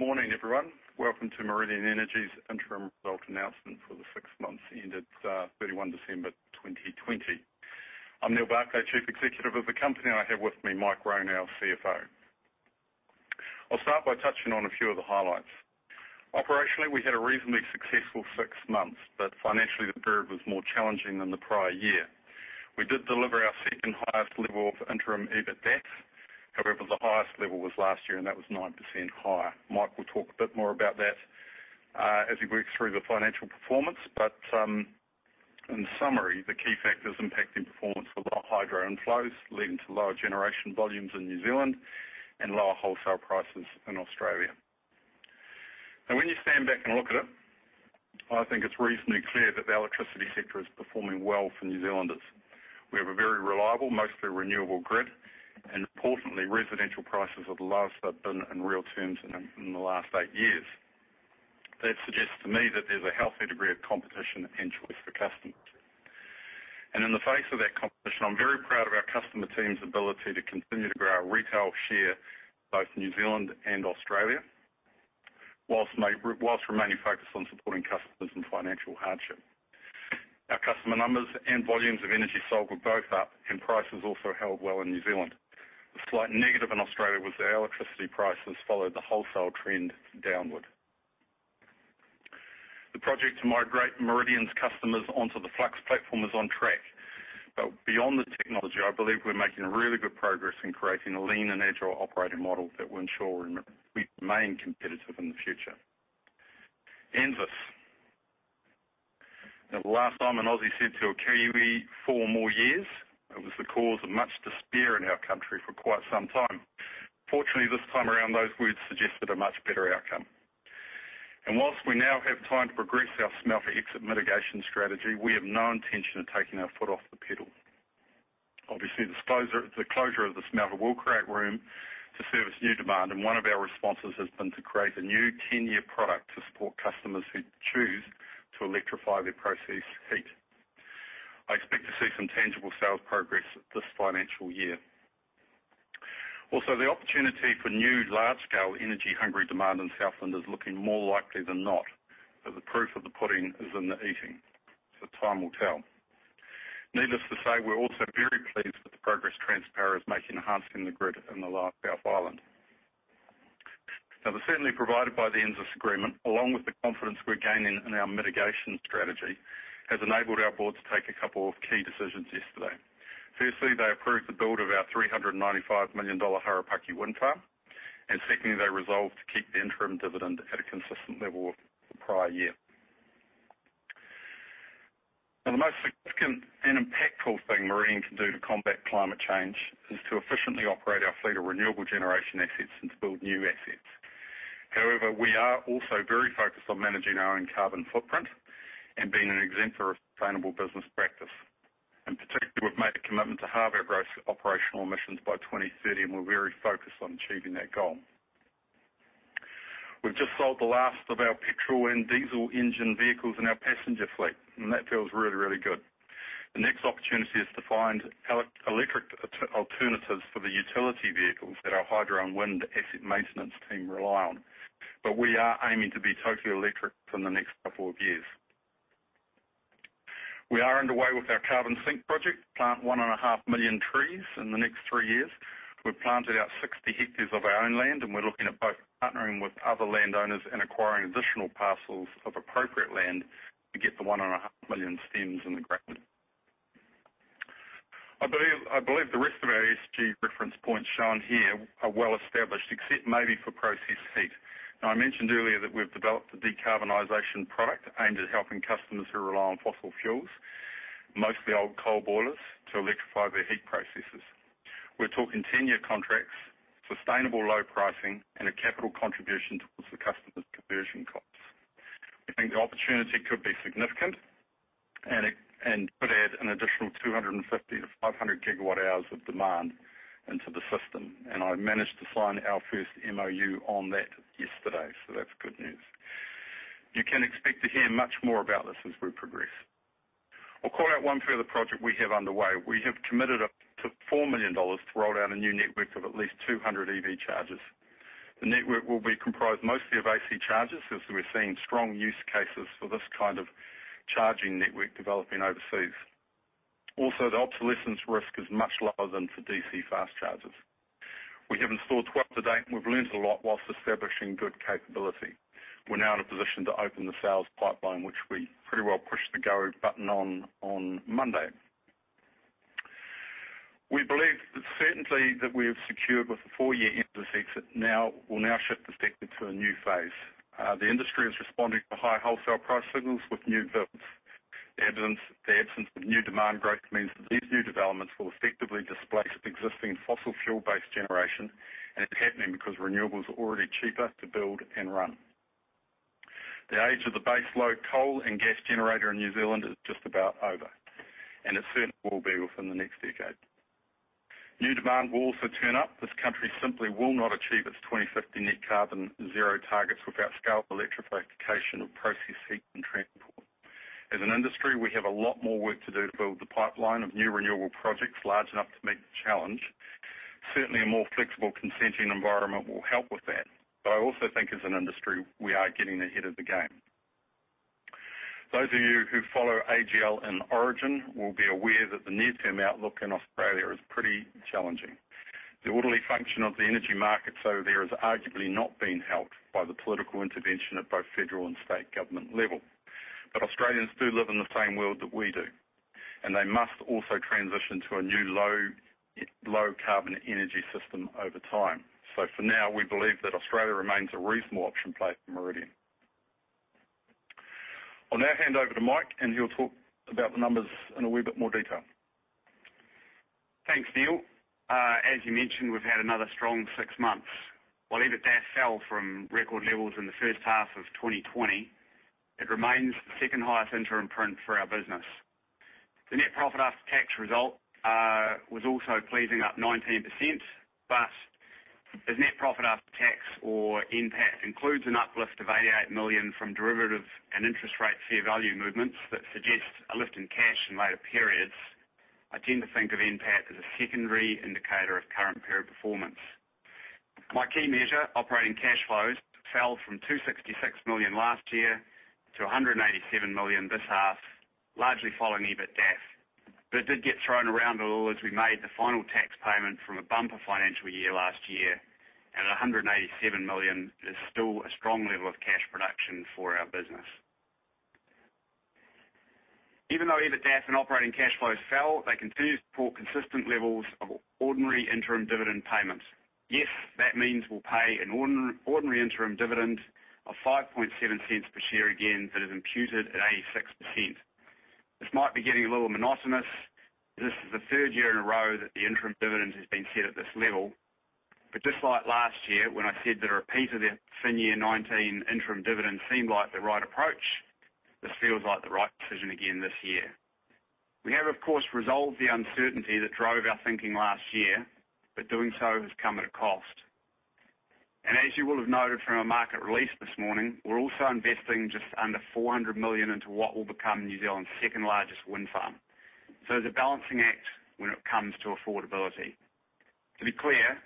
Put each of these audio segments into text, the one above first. Morning, everyone. Welcome to Meridian Energy's interim results announcement for the six months ended 31 December 2020. I'm Neal Barclay, Chief Executive of the company, and I have with me Mike Roan, our CFO. I'll start by touching on a few of the highlights. Operationally, we had a reasonably successful six months, but financially, the period was more challenging than the prior year. We did deliver our second highest level of interim EBITDAF. However, the highest level was last year, and that was 9% higher. Mike will talk a bit more about that as he works through the financial performance. In summary, the key factors impacting performance were lower hydro inflows, leading to lower generation volumes in New Zealand and lower wholesale prices in Australia. When you stand back and look at it, I think it's reasonably clear that the electricity sector is performing well for New Zealanders. We have a very reliable, mostly renewable grid, and importantly, residential prices are the lowest they've been in real terms in the last eight years. That suggests to me that there's a healthy degree of competition and choice for customers. In the face of that competition, I'm very proud of our customer team's ability to continue to grow our retail share, both in New Zealand and Australia, whilst remaining focused on supporting customers in financial hardship. Our customer numbers and volumes of energy sold were both up, and prices also held well in New Zealand. The slight negative in Australia was that our electricity prices followed the wholesale trend downward. The project to migrate Meridian's customers onto the Flux platform is on track. Beyond the technology, I believe we're making really good progress in creating a lean and agile operating model that will ensure we remain competitive in the future. NZAS. The last time an Aussie said to a Kiwi, "Four more years," it was the cause of much despair in our country for quite some time. Fortunately, this time around, those words suggested a much better outcome. Whilst we now have time to progress our Smelter Exit Mitigation Strategy, we have no intention of taking our foot off the pedal. Obviously, the closure of the smelter will create room to service new demand, and one of our responses has been to create a new 10-year product to support customers who choose to electrify their process heat. I expect to see some tangible sales progress this financial year. The opportunity for new large-scale energy-hungry demand in Southland is looking more likely than not, but the proof of the pudding is in the eating. Time will tell. Needless to say, we're also very pleased with the progress Transpower is making enhancing the grid in the South Island. The certainty provided by the NZAS agreement, along with the confidence we're gaining in our mitigation strategy, has enabled our board to take a couple of key decisions yesterday. Firstly, they approved the build of our 395 million dollar Harapaki Wind farm, and secondly, they resolved to keep the interim dividend at a consistent level with the prior year. The most significant and impactful thing Meridian can do to combat climate change is to efficiently operate our fleet of renewable generation assets and to build new assets. However, we are also very focused on managing our own carbon footprint and being an exemplar of sustainable business practice. In particular, we've made a commitment to halve our gross operational emissions by 2030, and we're very focused on achieving that goal. We've just sold the last of our petrol and diesel engine vehicles in our passenger fleet. That feels really, really good. The next opportunity is to find electric alternatives for the utility vehicles that our hydro and wind asset maintenance team rely on. We are aiming to be totally electric from the next couple of years. We are underway with our carbon sink project to plant one and a half million trees in the next three years. We've planted about 60 hectares of our own land. We're looking at both partnering with other landowners and acquiring additional parcels of appropriate land to get the one and a half million stems in the ground. I believe the rest of our ESG reference points shown here are well established, except maybe for process heat. I mentioned earlier that we've developed a decarbonization product aimed at helping customers who rely on fossil fuels, mostly old coal boilers, to electrify their heat processes. We're talking 10-year contracts, sustainable low pricing, and a capital contribution towards the customer's conversion costs. We think the opportunity could be significant and could add an additional 250 to 500 gigawatt hours of demand into the system. I managed to sign our first MoU on that yesterday. That's good news. You can expect to hear much more about this as we progress. I'll call out one further project we have underway. We have committed up to 4 million dollars to roll out a new network of at least 200 EV chargers. The network will be comprised mostly of AC chargers, as we're seeing strong use cases for this kind of charging network developing overseas. The obsolescence risk is much lower than for DC fast chargers. We have installed 12 to date, and we've learnt a lot whilst establishing good capability. We're now in a position to open the sales pipeline, which we pretty well pushed the go button on Monday. We believe the certainty that we have secured with the four-year NZAS exit will now shift the sector to a new phase. The industry is responding to high wholesale price signals with new builds. The absence of new demand growth means that these new developments will effectively displace existing fossil fuel-based generation, and it is happening because renewables are already cheaper to build and run. The age of the base load coal and gas generator in New Zealand is just about over, and it certainly will be within the next decade. New demand will also turn up. This country simply will not achieve its 2050 net carbon zero targets without scaled electrification of processes. As an industry, we have a lot more work to do to build the pipeline of new renewable projects large enough to meet the challenge. Certainly, a more flexible consenting environment will help with that. I also think as an industry, we are getting ahead of the game. Those of you who follow AGL and Origin will be aware that the near-term outlook in Australia is pretty challenging. The orderly function of the energy market so there has arguably not been helped by the political intervention at both federal and state government level. Australians do live in the same world that we do, and they must also transition to a new low carbon energy system over time. For now, we believe that Australia remains a reasonable option play for Meridian. I'll now hand over to Mike, and he'll talk about the numbers in a wee bit more detail. Thanks, Neal. As you mentioned, we've had another strong six months. While EBITDA fell from record levels in the first half of 2020, it remains the second highest interim print for our business. The net profit after tax result was also pleasing, up 19%, but as net profit after tax or NPAT includes an uplift of 88 million from derivative and interest rate fair value movements that suggest a lift in cash in later periods, I tend to think of NPAT as a secondary indicator of current period performance. My key measure, operating cash flows, fell from 266 million last year to 187 million this half, largely following EBITDA. It did get thrown around a little as we made the final tax payment from a bumper financial year last year. 187 million is still a strong level of cash production for our business. Even though EBITDA and operating cash flows fell, they continue to support consistent levels of ordinary interim dividend payments. Yes, that means we'll pay an ordinary interim dividend of 0.057 per share again that is imputed at 86%. This might be getting a little monotonous. This is the third year in a row that the interim dividend has been set at this level. Just like last year, when I said that a repeat of the FY 2019 interim dividend seemed like the right approach, this feels like the right decision again this year. We have, of course, resolved the uncertainty that drove our thinking last year, but doing so has come at a cost. As you will have noted from our market release this morning, we're also investing just under 400 million into what will become New Zealand's second-largest wind farm. There's a balancing act when it comes to affordability. To be clear,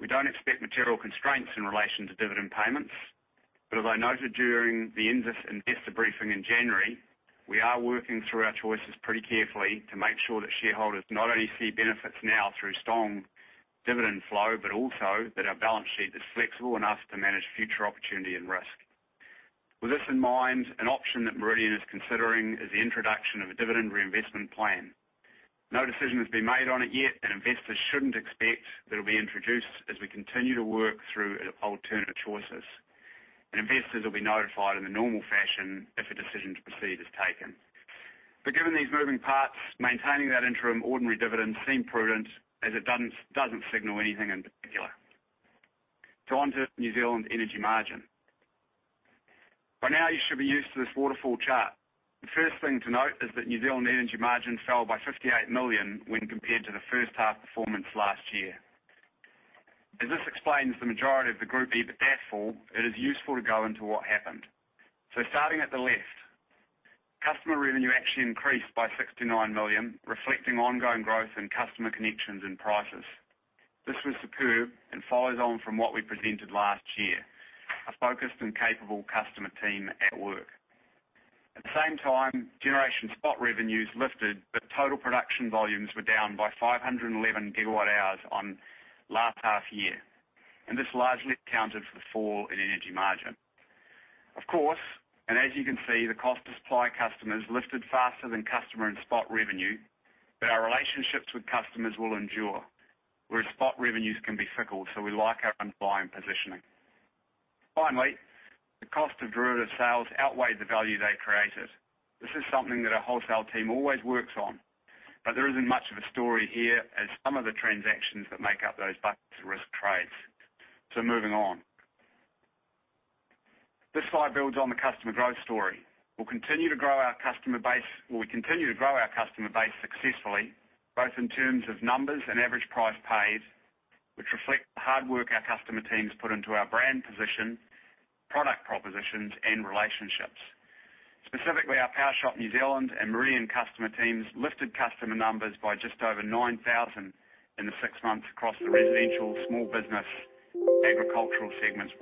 we don't expect material constraints in relation to dividend payments, but as I noted during the investor briefing in January, we are working through our choices pretty carefully to make sure that shareholders not only see benefits now through strong dividend flow, but also that our balance sheet is flexible enough to manage future opportunity and risk. With this in mind, an option that Meridian is considering is the introduction of a dividend reinvestment plan. No decision has been made on it yet, and investors shouldn't expect that it'll be introduced as we continue to work through alternative choices. Investors will be notified in the normal fashion if a decision to proceed is taken. Given these moving parts, maintaining that interim ordinary dividend seemed prudent as it doesn't signal anything in particular. On to New Zealand energy margin. By now, you should be used to this waterfall chart. The first thing to note is that New Zealand energy margin fell by 58 million when compared to the first half performance last year. This explains the majority of the group EBITDA fall, it is useful to go into what happened. Starting at the left, customer revenue actually increased by 69 million, reflecting ongoing growth in customer connections and prices. This was superb and follows on from what we presented last year, a focused and capable customer team at work. At the same time, generation spot revenues lifted, but total production volumes were down by 511 gigawatt hours on last half year, and this largely accounted for the fall in energy margin. Of course, and as you can see, the cost to supply customers lifted faster than customer and spot revenue, but our relationships with customers will endure. Whereas spot revenues can be fickle, so we like our underlying positioning. Finally, the cost of derivative sales outweighed the value they created. This is something that our wholesale team always works on, but there isn't much of a story here as some of the transactions that make up those buckets are risk trades. Moving on. This slide builds on the customer growth story. We'll continue to grow our customer base successfully, both in terms of numbers and average price paid, which reflect the hard work our customer teams put into our brand position, product propositions, and relationships. Specifically, our Powershop New Zealand and Meridian customer teams lifted customer numbers by just over 9,000 in the 6 months across the residential, small business, agricultural segments.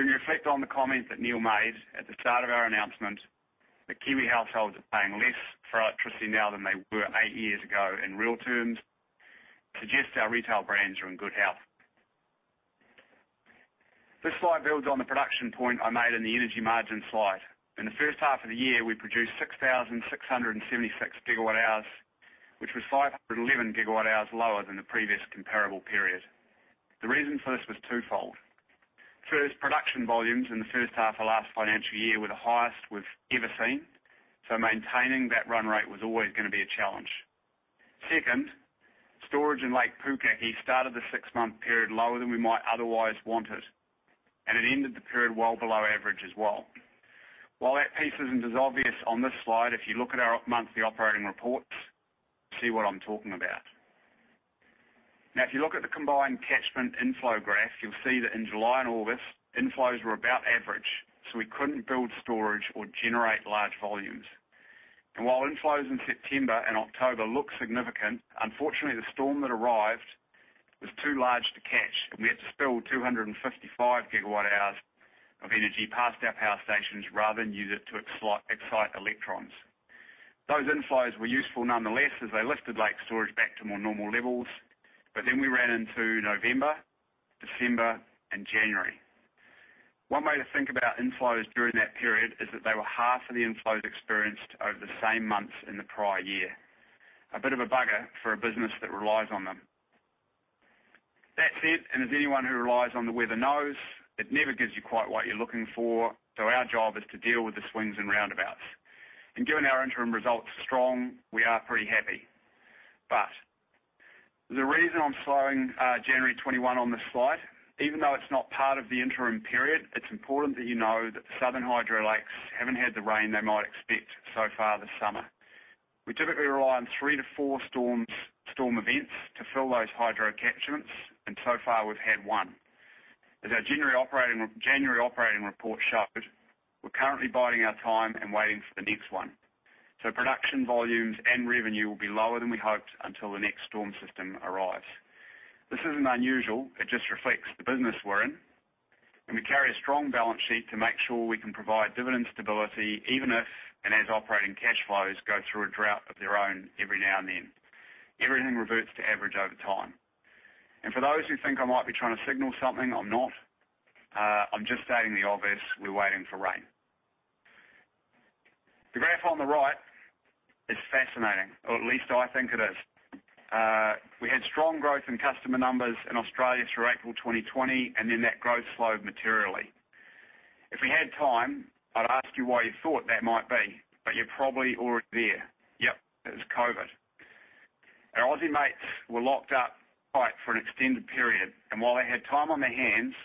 To reflect on the comment that Neal made at the start of our announcement that Kiwi households are paying less for electricity now than they were 8 years ago in real terms suggests our retail brands are in good health. This slide builds on the production point I made in the energy margin slide. In the first half of the year, we produced 6,676 gigawatt hours, which was 511 gigawatt hours lower than the previous comparable period. The reason for this was twofold. First, production volumes in the first half of last financial year were the highest we've ever seen, so maintaining that run rate was always going to be a challenge. Second, storage in Lake Pukaki started the six-month period lower than we might otherwise want it, and it ended the period well below average as well. While that piece isn't as obvious on this slide, if you look at our monthly operating reports, see what I'm talking about. Now, if you look at the combined catchment inflow graph, you'll see that in July and August, inflows were about average, so we couldn't build storage or generate large volumes. While inflows in September and October look significant, unfortunately the storm that arrived was too large to catch, we had to spill 255 GWh of energy past our power stations rather than use it to excite electrons. Those inflows were useful nonetheless, as they lifted lake storage back to more normal levels. We ran into November, December, and January. One way to think about inflows during that period is that they were half of the inflows experienced over the same months in the prior year. A bit of a bugger for a business that relies on them. That said, as anyone who relies on the weather knows, it never gives you quite what you're looking for, so our job is to deal with the swings and roundabouts. Given our interim results strong, we are pretty happy. The reason I'm showing January 2021 on this slide, even though it's not part of the interim period, it's important that you know that the southern hydro lakes haven't had the rain they might expect so far this summer. We typically rely on three to four storm events to fill those hydro catchments, and so far we've had one. As our January operating report showed, we're currently biding our time and waiting for the next one. Production volumes and revenue will be lower than we hoped until the next storm system arrives. This isn't unusual. It just reflects the business we're in, and we carry a strong balance sheet to make sure we can provide dividend stability, even if and as operating cash flows go through a drought of their own every now and then. Everything reverts to average over time. For those who think I might be trying to signal something, I'm not. I'm just stating the obvious. We're waiting for rain. The graph on the right is fascinating, or at least I think it is. We had strong growth in customer numbers in Australia through April 2020, and then that growth slowed materially. If we had time, I'd ask you why you thought that might be, but you're probably already there. Yep, it was COVID. Our Aussie mates were locked up tight for an extended period, and while they had time on their hands,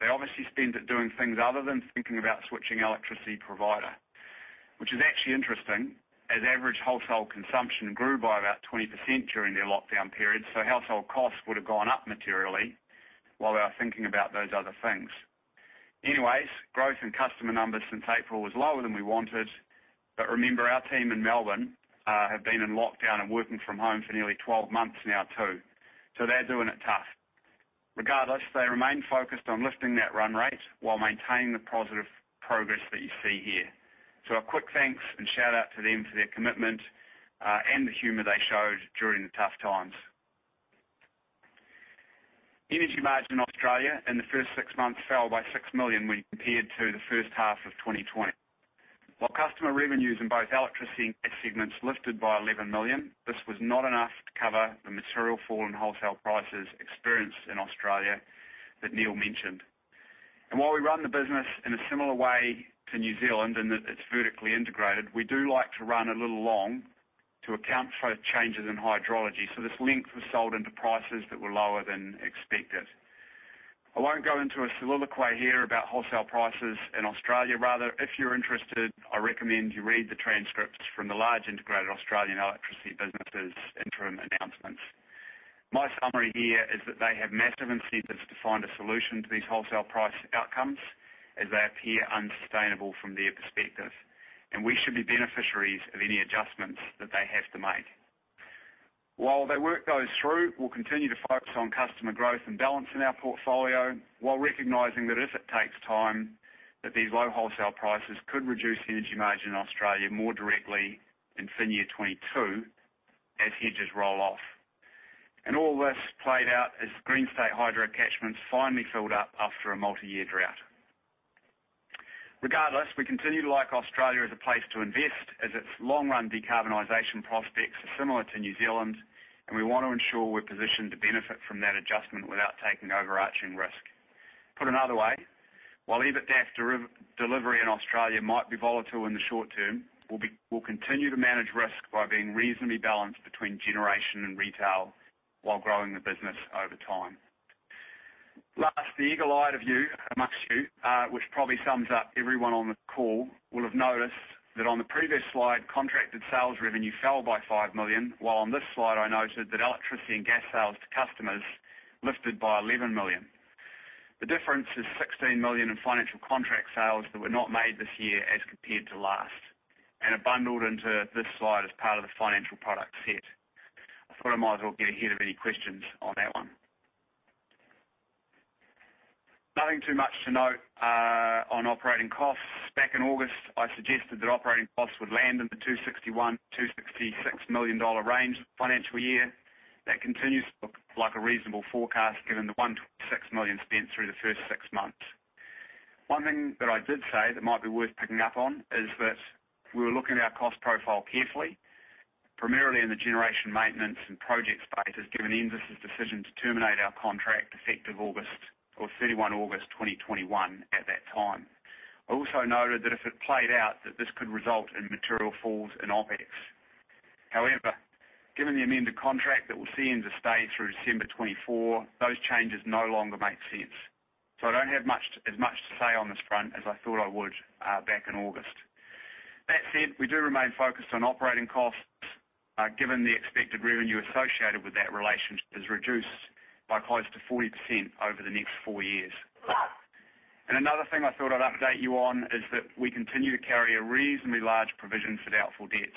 they obviously spent it doing things other than thinking about switching electricity provider. Which is actually interesting, as average household consumption grew by about 20% during their lockdown period, so household costs would have gone up materially while they were thinking about those other things. Growth in customer numbers since April was lower than we wanted. Remember, our team in Melbourne have been in lockdown and working from home for nearly 12 months now, too. They're doing it tough. Regardless, they remain focused on lifting that run rate while maintaining the positive progress that you see here. A quick thanks and shout-out to them for their commitment and the humor they showed during the tough times. Energy margin in Australia in the first six months fell by 6 million when compared to the first half of 2020. While customer revenues in both electricity and gas segments lifted by 11 million, this was not enough to cover the material fall in wholesale prices experienced in Australia that Neal mentioned. While we run the business in a similar way to New Zealand in that it's vertically integrated, we do like to run a little long to account for changes in hydrology. This length was sold into prices that were lower than expected. I won't go into a soliloquy here about wholesale prices in Australia. Rather, if you're interested, I recommend you read the transcripts from the large integrated Australian electricity businesses' interim announcements. My summary here is that they have massive incentives to find a solution to these wholesale price outcomes as they appear unsustainable from their perspective, and we should be beneficiaries of any adjustments that they have to make. While their work goes through, we'll continue to focus on customer growth and balance in our portfolio while recognizing that if it takes time, that these low wholesale prices could reduce the energy margin in Australia more directly in FY 2022 as hedges roll off. All this played out as Green State hydro catchments finally filled up after a multi-year drought. Regardless, we continue to like Australia as a place to invest as its long-run decarbonization prospects are similar to New Zealand, and we want to ensure we're positioned to benefit from that adjustment without taking overarching risk. Put another way, while EBITDAF delivery in Australia might be volatile in the short term, we'll continue to manage risk by being reasonably balanced between generation and retail while growing the business over time. Last, the eagle-eyed amongst you, which probably sums up everyone on the call will have noticed that on the previous slide, contracted sales revenue fell by 5 million, while on this slide, I noted that electricity and gas sales to customers lifted by 11 million. The difference is 16 million in financial contract sales that were not made this year as compared to last and are bundled into this slide as part of the financial product set. I thought I might as well get ahead of any questions on that one. Nothing too much to note on operating costs. Back in August, I suggested that operating costs would land in the 261 million-266 million dollar range financial year. That continues to look like a reasonable forecast, given the 126 million spent through the first six months. One thing that I did say that might be worth picking up on is that we were looking at our cost profile carefully, primarily in the generation maintenance and project space, as given NZAS's decision to terminate our contract effective August or 31 August 2021 at that time. I also noted that if it played out, that this could result in material falls in OpEx. Given the amended contract that will see NZAS stay through December 2024, those changes no longer make sense. I don't have as much to say on this front as I thought I would back in August. That said, we do remain focused on operating costs, given the expected revenue associated with that relationship is reduced by close to 40% over the next four years. Another thing I thought I'd update you on is that we continue to carry a reasonably large provision for doubtful debts.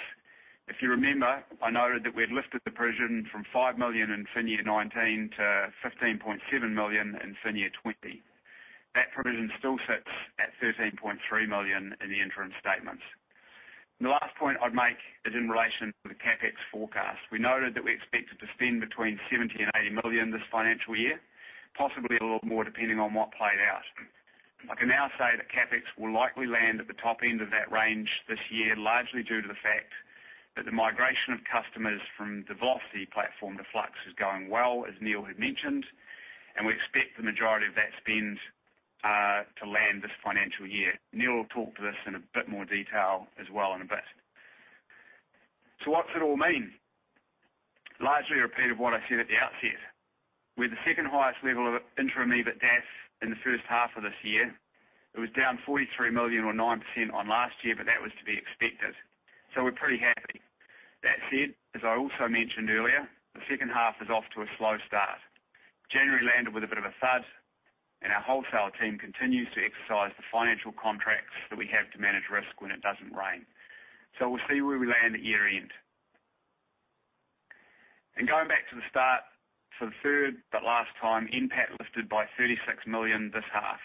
If you remember, I noted that we had lifted the provision from 5 million in FY 2019 to 15.7 million in FY 2020. That provision still sits at 13.3 million in the interim statements. The last point I'd make is in relation to the CapEx forecast. We noted that we expected to spend between 70 million-80 million this financial year, possibly a little more, depending on what played out. I can now say that CapEx will likely land at the top end of that range this year, largely due to the fact that the migration of customers from the Velocity platform to Flux is going well, as Neal had mentioned, and we expect the majority of that spend to land this financial year. Neal will talk to this in a bit more detail as well in a bit. What's it all mean? Largely a repeat of what I said at the outset. We had the second-highest level of interim EBITDAF in the first half of this year. It was down 43 million or 9% on last year, but that was to be expected. We're pretty happy. That said, as I also mentioned earlier, the second half is off to a slow start. January landed with a bit of a thud, and our wholesale team continues to exercise the financial contracts that we have to manage risk when it doesn't rain. We'll see where we land at year-end. Going back to the start for the third, but last time, NPAT lifted by 36 million this half.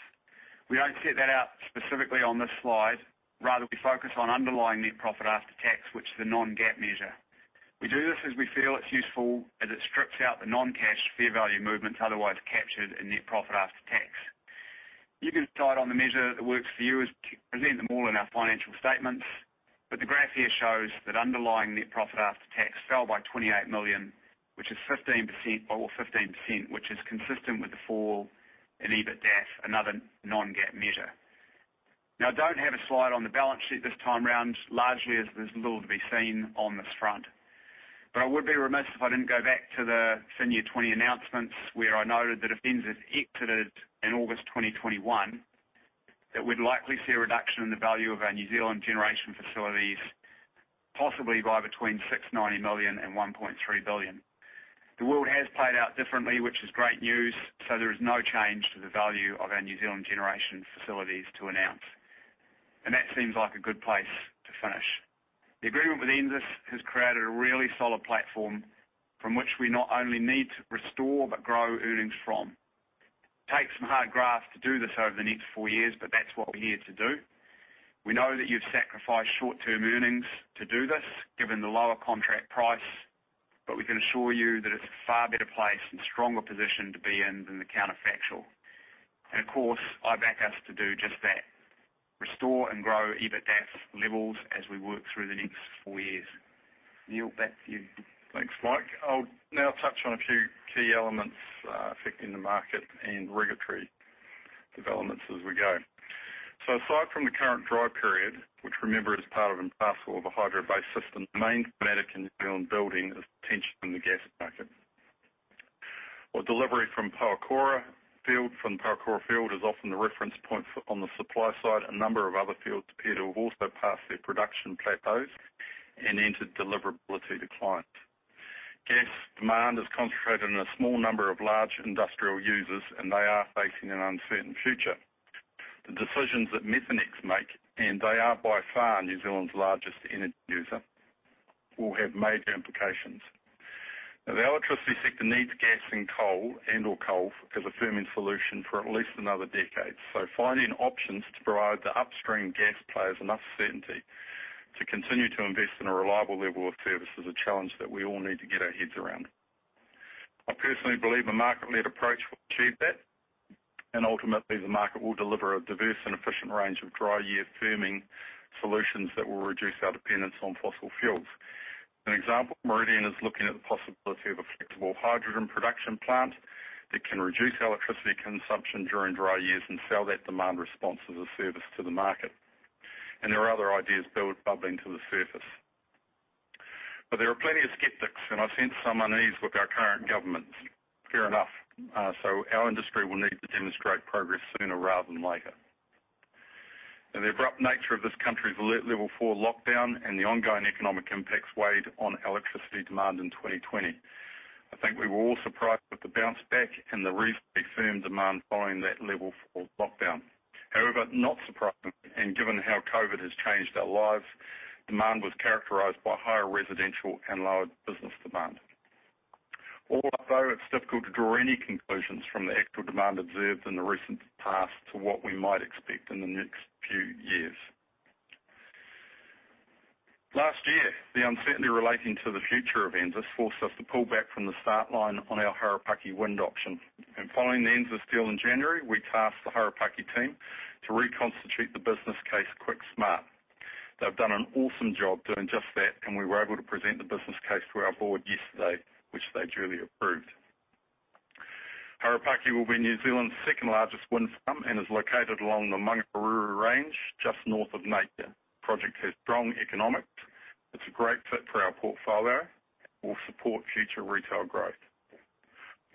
We don't set that out specifically on this slide. Rather, we focus on underlying net profit after tax, which is a non-GAAP measure. We do this as we feel it's useful as it strips out the non-cash fair value movements otherwise captured in net profit after tax. You can decide on the measure that works for you as we present them all in our financial statements, but the graph here shows that underlying net profit after tax fell by 28 million, or 15%, which is consistent with the fall in EBITDAF, another non-GAAP measure. I don't have a slide on the balance sheet this time around, largely as there's little to be seen on this front. I would be remiss if I didn't go back to the FY 2020 announcements, where I noted that if NZAS exits in August 2021, that we'd likely see a reduction in the value of our New Zealand generation facilities, possibly by between 690 million and 1.3 billion. The world has played out differently, which is great news. There is no change to the value of our New Zealand generation facilities to announce. That seems like a good place to finish. The agreement with NZAS has created a really solid platform from which we not only need to restore but grow earnings from. Take some hard graft to do this over the next four years. That's what we're here to do. We know that you've sacrificed short-term earnings to do this, given the lower contract price, but we can assure you that it's a far better place and stronger position to be in than the counterfactual. Of course, I back us to do just that, restore and grow EBITDAF levels as we work through the next four years. Neal, back to you. Thanks, Mike. I'll now touch on a few key elements affecting the market and regulatory developments as we go. Aside from the current dry period, which remember is part and parcel of a hydro-based system, the main dynamic in New Zealand building is the tension in the gas market. While delivery from Pohokura field is often the reference point on the supply side, a number of other fields appear to have also passed their production plateaus and entered deliverability decline. Gas demand is concentrated in a small number of large industrial users, and they are facing an uncertain future. The decisions that Methanex make, and they are by far New Zealand's largest energy user, will have major implications. Now, the electricity sector needs gas and/or coal as a firming solution for at least another decade. Finding options to provide the upstream gas players enough certainty to continue to invest in a reliable level of service is a challenge that we all need to get our heads around. I personally believe a market-led approach will achieve that, and ultimately, the market will deliver a diverse and efficient range of dry year firming solutions that will reduce our dependence on fossil fuels. An example, Meridian is looking at the possibility of a flexible hydrogen production plant that can reduce electricity consumption during dry years and sell that demand response as a service to the market. There are other ideas bubbling to the surface. There are plenty of skeptics, and I sense some unease with our current government. Fair enough. Our industry will need to demonstrate progress sooner rather than later. The abrupt nature of this country's Alert Level 4 lockdown and the ongoing economic impacts weighed on electricity demand in 2020. I think we were all surprised with the bounce back and the reasonably firm demand following that level 4 lockdown. However, not surprisingly, and given how COVID has changed our lives, demand was characterized by higher residential and lower business demand. All up, though, it's difficult to draw any conclusions from the actual demand observed in the recent past to what we might expect in the next few years. Last year, the uncertainty relating to the future of NZAS forced us to pull back from the start line on our Harapaki Wind option. Following the NZAS deal in January, we tasked the Harapaki team to reconstitute the business case quick smart. They've done an awesome job doing just that, and we were able to present the business case to our board yesterday, which they duly approved. Harapaki will be New Zealand's second largest wind farm and is located along the Maungaharuru Range, just north of Napier. Project has strong economics. It's a great fit for our portfolio, and will support future retail growth.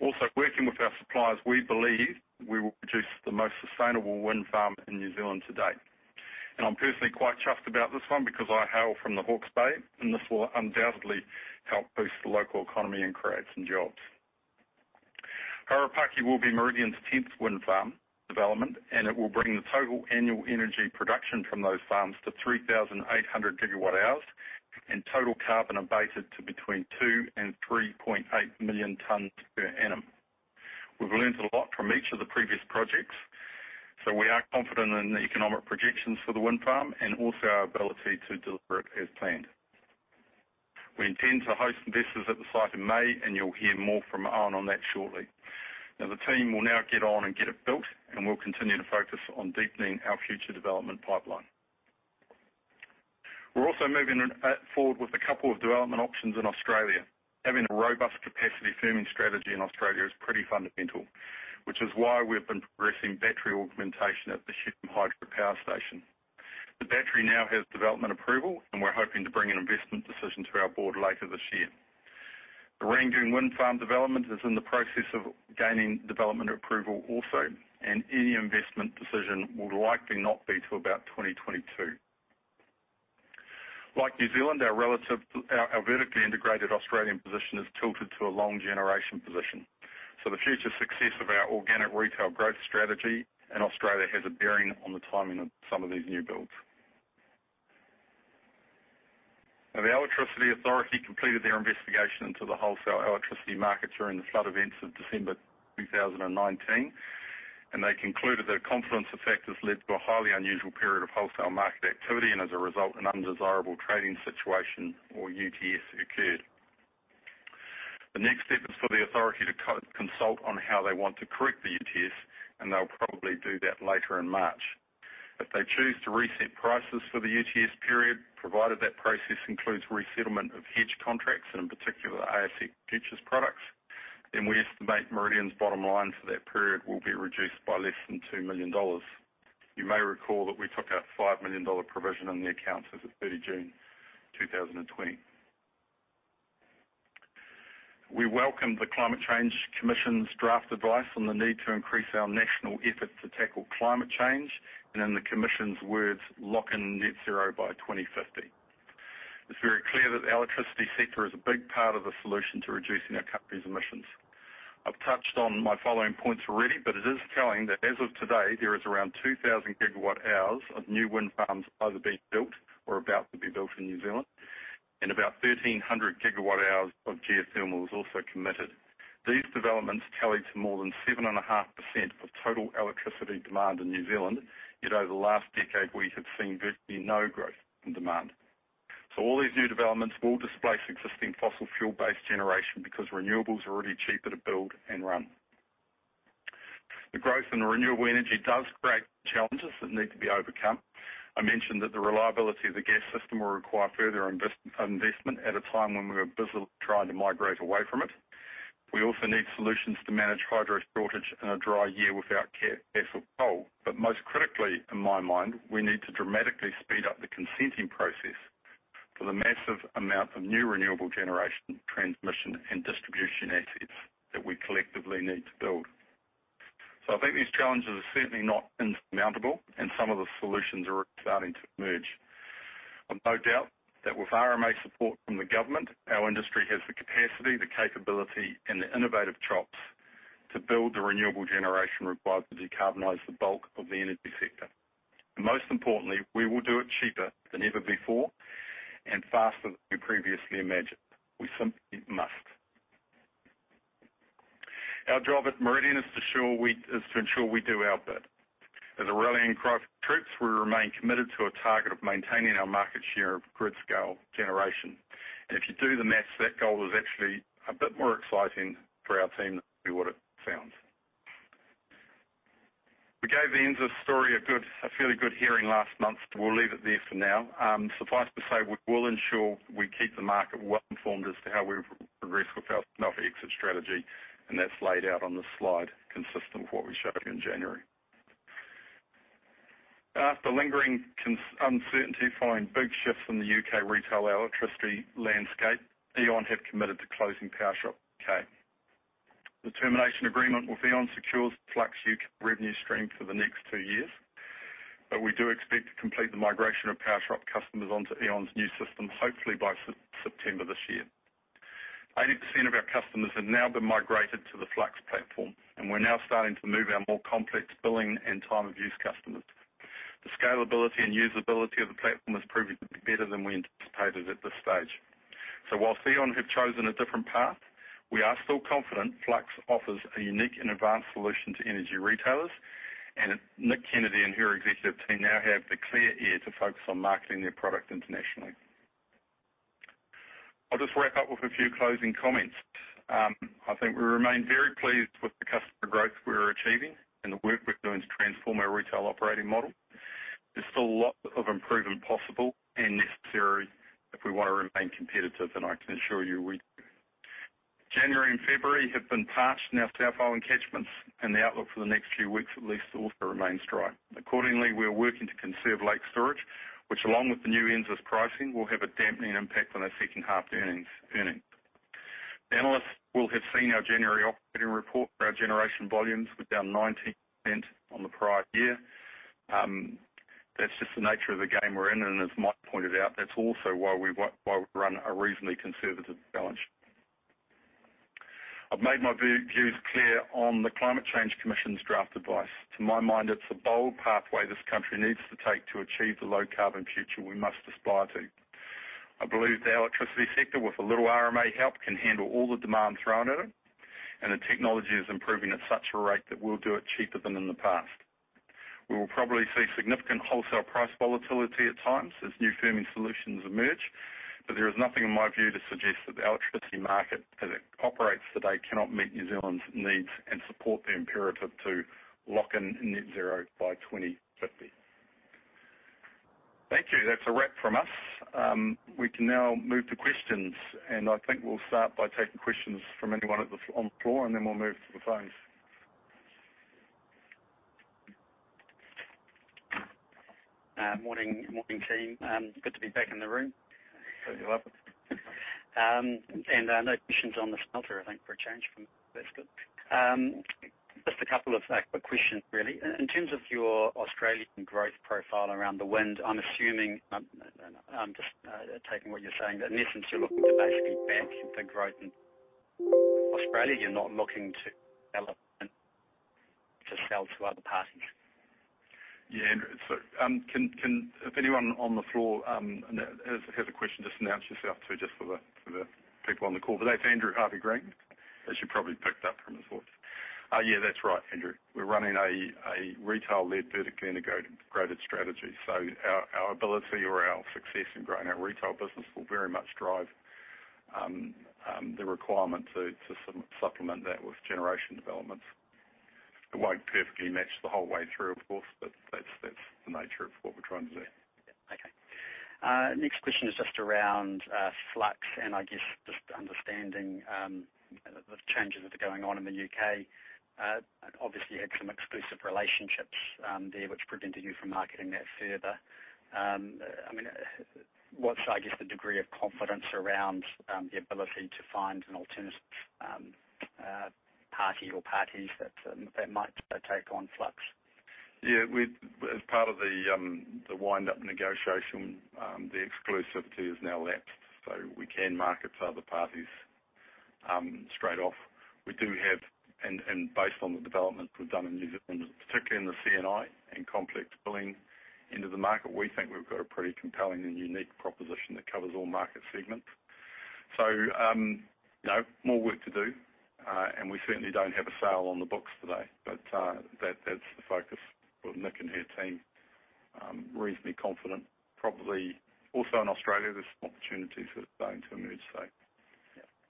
Also, working with our suppliers, we believe we will produce the most sustainable wind farm in New Zealand to date. I'm personally quite chuffed about this one because I hail from the Hawke's Bay, and this will undoubtedly help boost the local economy and create some jobs. Harapaki will be Meridian's 10th wind farm development, and it will bring the total annual energy production from those farms to 3,800 gigawatt hours, and total carbon abated to between 2 and 3.8 million tonnes per annum. We've learnt a lot from each of the previous projects, so we are confident in the economic projections for the wind farm and also our ability to deliver it as planned. We intend to host investors at the site in May, and you'll hear more from Aaron on that shortly. Now the team will now get on and get it built, and we'll continue to focus on deepening our future development pipeline. We're also moving forward with a couple of development options in Australia. Having a robust capacity firming strategy in Australia is pretty fundamental, which is why we've been progressing battery augmentation at the Hume Hydro Power Station. The battery now has development approval, and we're hoping to bring an investment decision to our board later this year. The Rangoon Wind Farm development is in the process of gaining development approval also. Any investment decision will likely not be till about 2022. Like New Zealand, our vertically integrated Australian position is tilted to a long generation position. The future success of our organic retail growth strategy in Australia has a bearing on the timing of some of these new builds. The Electricity Authority completed their investigation into the wholesale electricity market during the flood events of December 2019, and they concluded that a confluence of factors led to a highly unusual period of wholesale market activity, and as a result, an undesirable trading situation, or UTS, occurred. The next step is for the Authority to consult on how they want to correct the UTS, and they'll probably do that later in March. If they choose to reset prices for the UTS period, provided that process includes resettlement of hedge contracts, and in particular, the ASX futures products, then we estimate Meridian's bottom line for that period will be reduced by less than 2 million dollars. You may recall that we took a 5 million dollar provision in the accounts as of 30 June 2020. We welcome the Climate Change Commission's draft advice on the need to increase our national effort to tackle climate change, and in the Commission's words, "Lock in net zero by 2050." It's very clear that the electricity sector is a big part of the solution to reducing our country's emissions. I've touched on my following points already, but it is telling that as of today, there is around 2,000 gigawatt hours of new wind farms either being built or about to be built in New Zealand, and about 1,300 gigawatt hours of geothermal is also committed. These developments tally to more than 7.5% of total electricity demand in New Zealand, yet over the last decade, we have seen virtually no growth in demand. All these new developments will displace existing fossil fuel-based generation because renewables are already cheaper to build and run. The growth in renewable energy does create challenges that need to be overcome. I mentioned that the reliability of the gas system will require further investment at a time when we're busily trying to migrate away from it. We also need solutions to manage hydro shortage in a dry year without coal. Most critically, in my mind, we need to dramatically speed up the consenting process for the massive amount of new renewable generation, transmission, and distribution assets that we collectively need to build. I think these challenges are certainly not insurmountable, and some of the solutions are starting to emerge. I've no doubt that with RMA support from the government, our industry has the capacity, the capability, and the innovative chops to build the renewable generation required to decarbonize the bulk of the energy sector. Most importantly, we will do it cheaper than ever before and faster than we previously imagined. We simply must. Our job at Meridian is to ensure we do our bit. As a rallying cry, troops, we remain committed to a target of maintaining our market share of grid scale generation. If you do the math, that goal is actually a bit more exciting for our team than we would've found. We gave the NZAS story a fairly good hearing last month. We'll leave it there for now. Suffice to say, we will ensure we keep the market well-informed as to how we progress with our NZAS exit strategy, and that's laid out on this slide, consistent with what we showed you in January. After lingering uncertainty following big shifts in the U.K. retail electricity landscape, E.ON have committed to closing Powershop U.K. The termination agreement with E.ON secures Flux's U.K. revenue stream for the next two years. We do expect to complete the migration of Powershop customers onto E.ON's new system, hopefully by September this year. 80% of our customers have now been migrated to the Flux platform. We're now starting to move our more complex billing and time of use customers. The scalability and usability of the platform has proven to be better than we anticipated at this stage. While E.ON have chosen a different path, we are still confident Flux offers a unique and advanced solution to energy retailers. Nic Kennedy and her executive team now have the clear air to focus on marketing their product internationally. I'll just wrap up with a few closing comments. I think we remain very pleased with the customer growth we're achieving and the work we're doing to transform our retail operating model. There's still a lot of improvement possible and necessary if we want to remain competitive, and I can assure you we do. January and February have been parched in our South Island catchments. The outlook for the next few weeks at least also remains dry. Accordingly, we are working to conserve lake storage, which, along with the new NZAS pricing, will have a dampening impact on our second half earnings. Analysts will have seen our January operating report where our generation volumes were down 19% on the prior year. That's just the nature of the game we're in, and as Mike pointed out, that's also why we run a reasonably conservative balance. I've made my views clear on the Climate Change Commission's draft advice. To my mind, it's a bold pathway this country needs to take to achieve the low-carbon future we must aspire to. I believe the electricity sector, with a little RMA help, can handle all the demands thrown at it, and the technology is improving at such a rate that we'll do it cheaper than in the past. There is nothing, in my view, to suggest that the electricity market, as it operates today, cannot meet New Zealand's needs and support the imperative to lock in net zero by 2050. Thank you. That's a wrap from us. We can now move to questions, and I think we'll start by taking questions from anyone on the floor, and then we'll move to the phones. Morning team. Good to be back in the room. You're welcome. No questions on the smelter, I think, for a change. That's good. Just a couple of quick questions really. In terms of your Australian growth profile around the wind, I'm assuming, I'm just taking what you're saying, that in essence, you're looking to basically bank the growth in Australia. You're not looking to sell to other parties. If anyone on the floor has a question, just announce yourself too, just for the people on the call. That's Andrew Harvey-Green, as you probably picked up from his voice. That's right, Andrew. We're running a retail-led, vertically integrated strategy. Our ability or our success in growing our retail business will very much drive the requirement to supplement that with generation developments. It won't perfectly match the whole way through, of course, but that's the nature of what we're trying to do. Yeah. Okay. Next question is just around Flux and I guess just understanding the changes that are going on in the U.K. Obviously, you had some exclusive relationships there which prevented you from marketing that further. What's, I guess, the degree of confidence around the ability to find an alternative party or parties that might take on Flux? Yeah. As part of the wind-up negotiation, the exclusivity has now lapsed so we can market to other parties straight off. Based on the developments we've done in New Zealand, particularly in the C&I and complex billing into the market, we think we've got a pretty compelling and unique proposition that covers all market segments. More work to do. We certainly don't have a sale on the books today, but that's the focus for Nic and her team. Reasonably confident, probably also in Australia, there's some opportunities that are going to emerge.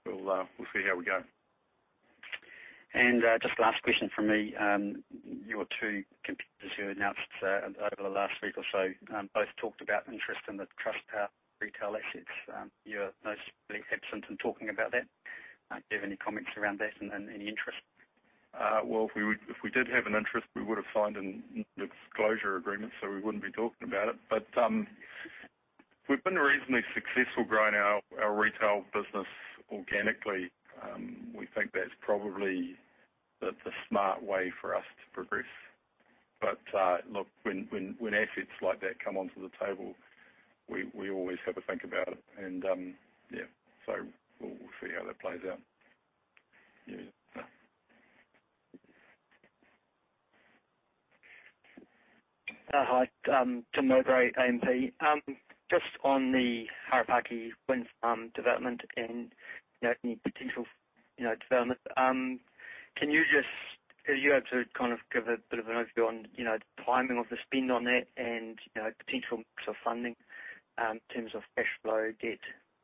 We'll see how we go. Just last question from me. Your two competitors who announced over the last week or so both talked about interest in the Trustpower retail assets. You're mostly absent in talking about that. Do you have any comments around that and any interest? If we did have an interest, we would have signed a disclosure agreement, so we wouldn't be talking about it. We've been reasonably successful growing our retail business organically. We think that's probably the smart way for us to progress. Look, when assets like that come onto the table, we always have a think about it. We'll see how that plays out. Hi. Tim Milbury, AMP. Just on the Harapaki Wind farm development and any potential development. Are you able to kind of give a bit of an overview on the timing of the spend on that and potential mix of funding in terms of cash flow, debt,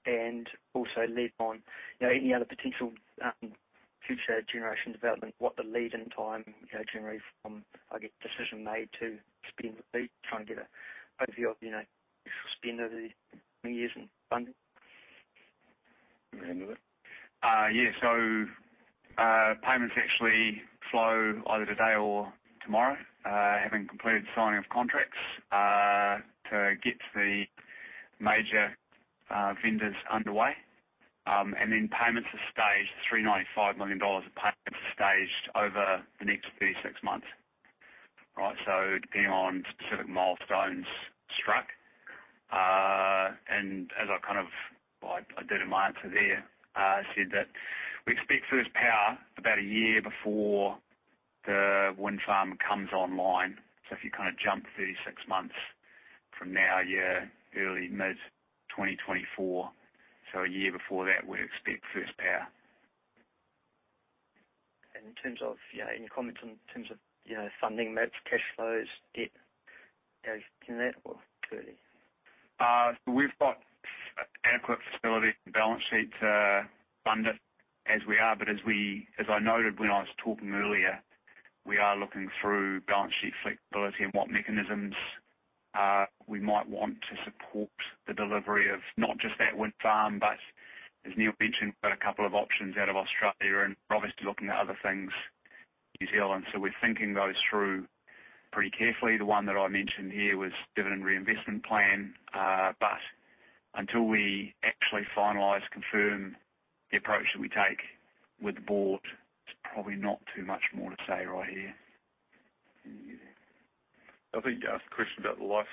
and also lead on any other potential future generation development, what the lead-in time generally from, I guess, decision made to spend would be? Try and get an overview of spend over the coming years and funding. You want to handle that? Yeah. Payments actually flow either today or tomorrow, having completed signing of contracts, to get the major vendors underway. Then payments are staged, 395 million dollars of payments are staged over the next 36 months. Right. Depending on specific milestones struck, and as I kind of did in my answer there, said that we expect first power about one year before the wind farm comes online. If you kind of jump 36 months from now, yeah, early-mid 2024. One year before that, we'd expect first power. In terms of any comments in terms of funding mix, cash flows, debt? We've got adequate facility balance sheet to fund it as we are. As I noted when I was talking earlier, we are looking through balance sheet flexibility and what mechanisms we might want to support the delivery of not just that wind farm, as Neal mentioned, we've got a couple of options out of Australia and we're obviously looking at other things, New Zealand. We're thinking those through pretty carefully. The one that I mentioned here was dividend reinvestment plan. Until we actually finalize, confirm the approach that we take with the board, there's probably not too much more to say right here. I think you asked a question about the life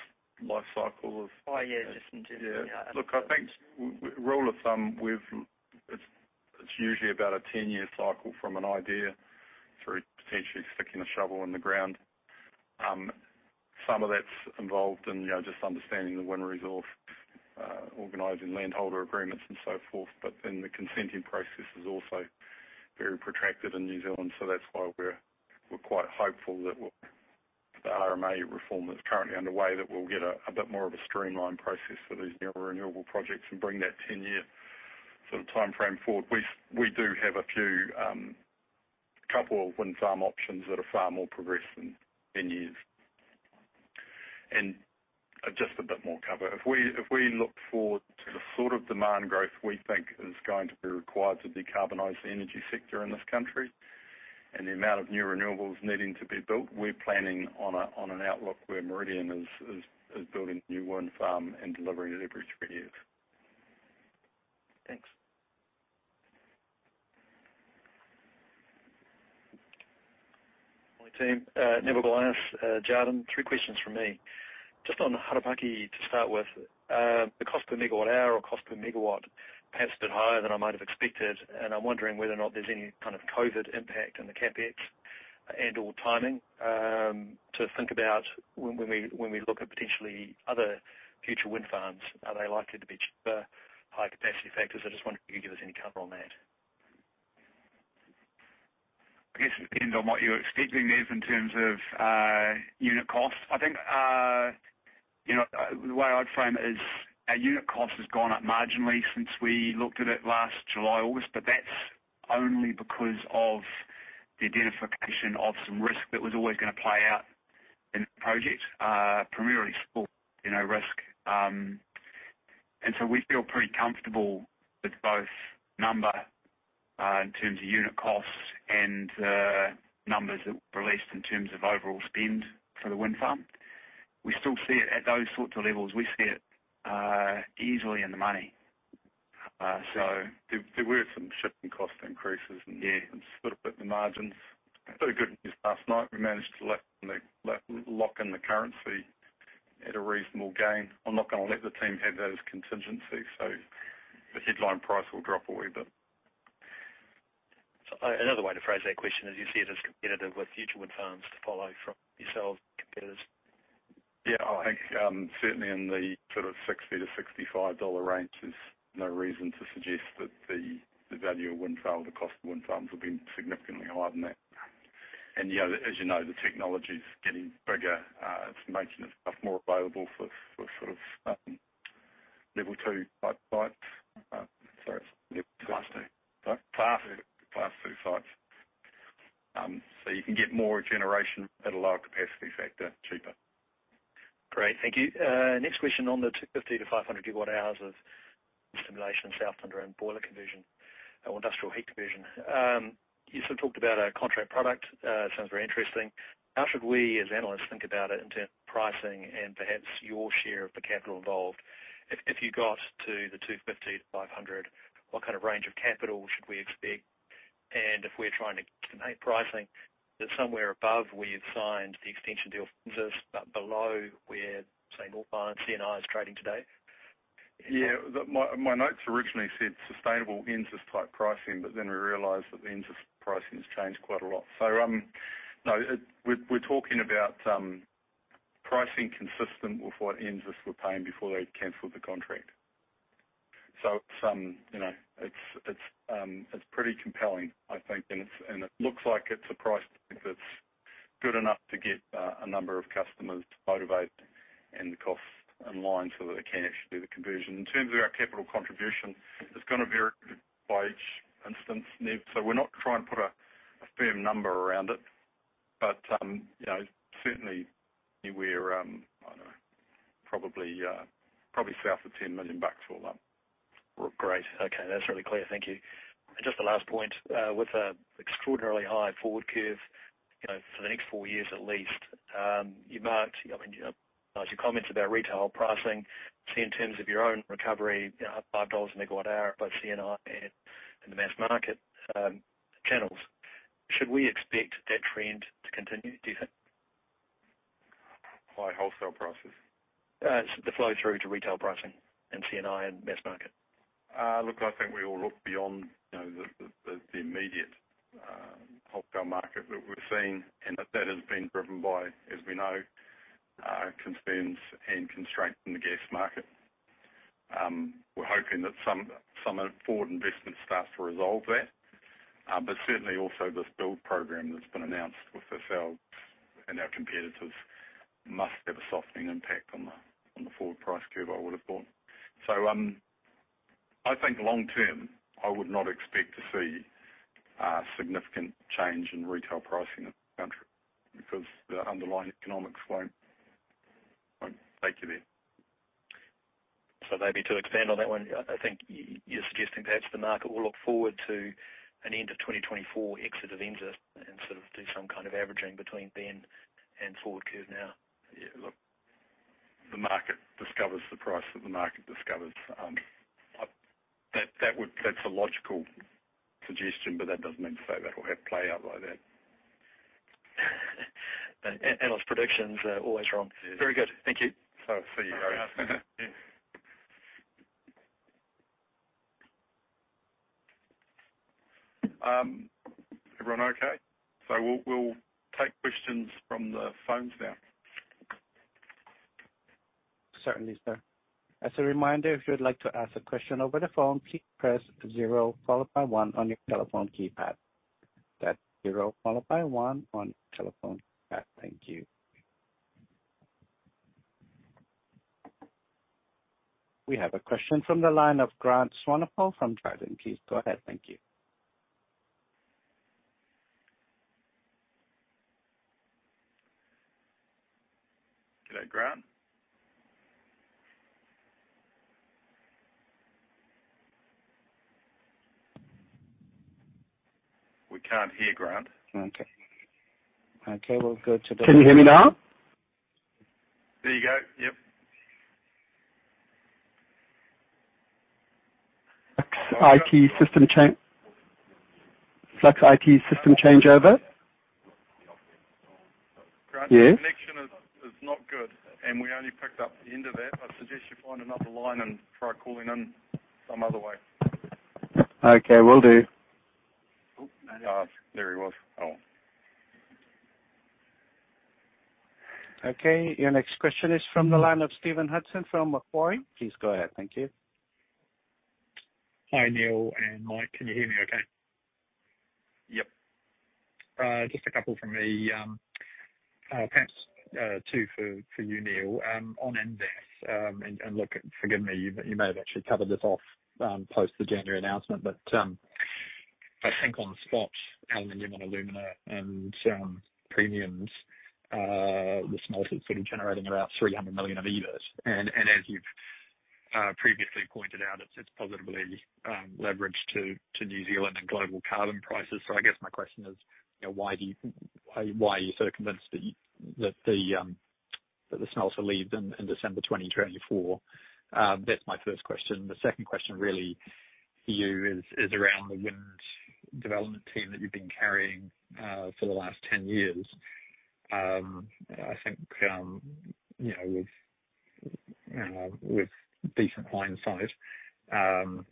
cycle of- Oh, yeah. Just in general, yeah. Rule of thumb, it's usually about a 10-year cycle from an idea through potentially sticking a shovel in the ground. Some of that's involved in just understanding the wind resource, organizing landholder agreements, and so forth. The consenting process is also very protracted in New Zealand. That's why we're quite hopeful that with the RMA reform that's currently underway, that we'll get a bit more of a streamlined process for these renewable projects and bring that 10-year sort of timeframe forward. We do have a few, couple of wind farm options that are far more progressed than 10 years. Just a bit more cover. If we look forward to the sort of demand growth we think is going to be required to decarbonize the energy sector in this country and the amount of new renewables needing to be built, we're planning on an outlook where Meridian is building new wind farm and delivering it every two, three years. Thanks. Morning, team. Neville Glass, Jarden. Three questions from me. On Harapaki to start with. The cost per megawatt hour or cost per megawatt, perhaps a bit higher than I might have expected. I'm wondering whether or not there's any kind of COVID impact on the CapEx and/or timing, to think about when we look at potentially other future wind farms, are they likely to be cheaper, higher capacity factors? I just wonder if you could give us any cover on that. I guess it depends on what you're expecting, Nev, in terms of unit cost. I think, the way I'd frame it is our unit cost has gone up marginally since we looked at it last July, August, but that's only because of the identification of some risk that was always going to play out in the project, primarily scope risk. We feel pretty comfortable with both numbers, in terms of unit costs and numbers released in terms of overall spend for the wind farm. We still see it at those sorts of levels. We see it easily in the money. There were some shipping cost increases and. Yeah sort of put the margins. Very good news last night, we managed to lock in the currency at a reasonable gain. I'm not going to let the team have that as contingency. The headline price will drop a wee bit. Another way to phrase that question is, do you see it as competitive with future wind farms to follow from yourselves, competitors? Yeah. I think, certainly in the sort of 60-65 dollar range, there's no reason to suggest that the value of wind farm, the cost of wind farms will be significantly higher than that. As you know, the technology's getting bigger. It's making the stuff more available for sort of level 2 type sites. Sorry. Class 2. Sorry. Class 2 sites. You can get more generation at a lower capacity factor, cheaper. Great. Thank you. Next question on the 250-500 gigawatt hours of stimulation Southland around boiler conversion or industrial heat conversion. You sort of talked about a contract product. Sounds very interesting. How should we, as analysts, think about it in terms of pricing and perhaps your share of the capital involved? If you got to the 250-500, what kind of range of capital should we expect? If we're trying to estimate pricing that somewhere above where you've signed the extension deal with NZAS, but below where, say, North Island C&I is trading today? Yeah. My notes originally said sustainable NZAS-type pricing, but then we realized that the NZAS pricing has changed quite a lot. No, we're talking about pricing consistent with what NZAS were paying before they canceled the contract. It's pretty compelling, I think, and it looks like it's a price that's good enough to get a number of customers to motivate and the cost in line so that they can actually do the conversion. In terms of our capital contribution, it's going to vary by each instance, Nev. Certainly we're, I don't know, probably south of 10 million bucks for all that. Great. Okay. That's really clear. Thank you. Just the last point, with the extraordinarily high forward curve, for the next 4 years at least, you marked your comments about retail pricing, say in terms of your own recovery, at 5 dollars a megawatt hour, both C&I and the mass market channels. Should we expect that trend to continue, do you think? By wholesale prices? The flow through to retail pricing in C&I and mass market. Look, I think we all look beyond the immediate wholesale market that we're seeing and that has been driven by, as we know, concerns and constraints in the gas market. We're hoping that some forward investment starts to resolve that. But certainly also this build program that's been announced with this, our and our competitors must have a softening impact on the forward price curve, I would have thought. I think long term, I would not expect to see a significant change in retail pricing in the country because the underlying economics won't take you there. Maybe to expand on that one, I think you're suggesting perhaps the market will look forward to an end of 2024 exit of NZAS and sort of do some kind of averaging between then and forward curve now. Yeah. Look, the market discovers the price that the market discovers. That's a logical suggestion, but that doesn't mean to say that it will play out like that. Analyst predictions are always wrong. Yeah. Very good. Thank you. All right. See you. Everyone okay? We'll take questions from the phones now. Certainly, sir. As a reminder, if you'd like to ask a question over the phone, please press zero followed by one on your telephone keypad. That's zero followed by one on your telephone keypad. Thank you. We have a question from the line of Grant Swanepoel from Jarden. Please go ahead. Thank you. G'day, Grant. We can't hear Grant. Okay. We'll go to the- Can you hear me now? There you go. Yep. Flux IT system change over. Grant- Yeah. Your connection is not good, and we only picked up the end of that. I suggest you find another line and try calling in some other way. Okay. Will do. Oh, there he was. Oh. Okay. Your next question is from the line of Stephen Hudson from Macquarie. Please go ahead. Thank you. Hi, Neal and Mike. Can you hear me okay? Yep. Just a couple from me. Two for you, Neal, on NZAS. Look, forgive me, you may have actually covered this off post the January announcement. I think on spot, aluminium and alumina and premiums, the smelter is sort of generating about 300 million of EBITDA. As you've previously pointed out, it's positively leveraged to New Zealand and global carbon prices. I guess my question is, why are you sort of convinced that the smelter is leaving in December 2024? That's my first question. The second question really for you is around the wind development team that you've been carrying for the last 10 years. I think with decent hindsight,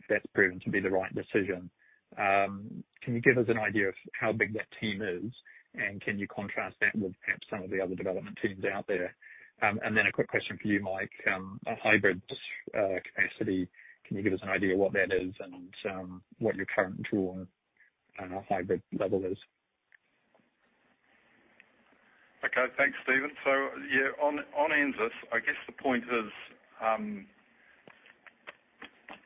that's proven to be the right decision. Can you give us an idea of how big that team is? Can you contrast that with perhaps some of the other development teams out there? A quick question for you, Mike, on hybrid capacity. Can you give us an idea what that is and what your current draw on hybrid level is? Okay. Thanks, Stephen. On NZAS, I guess the point is,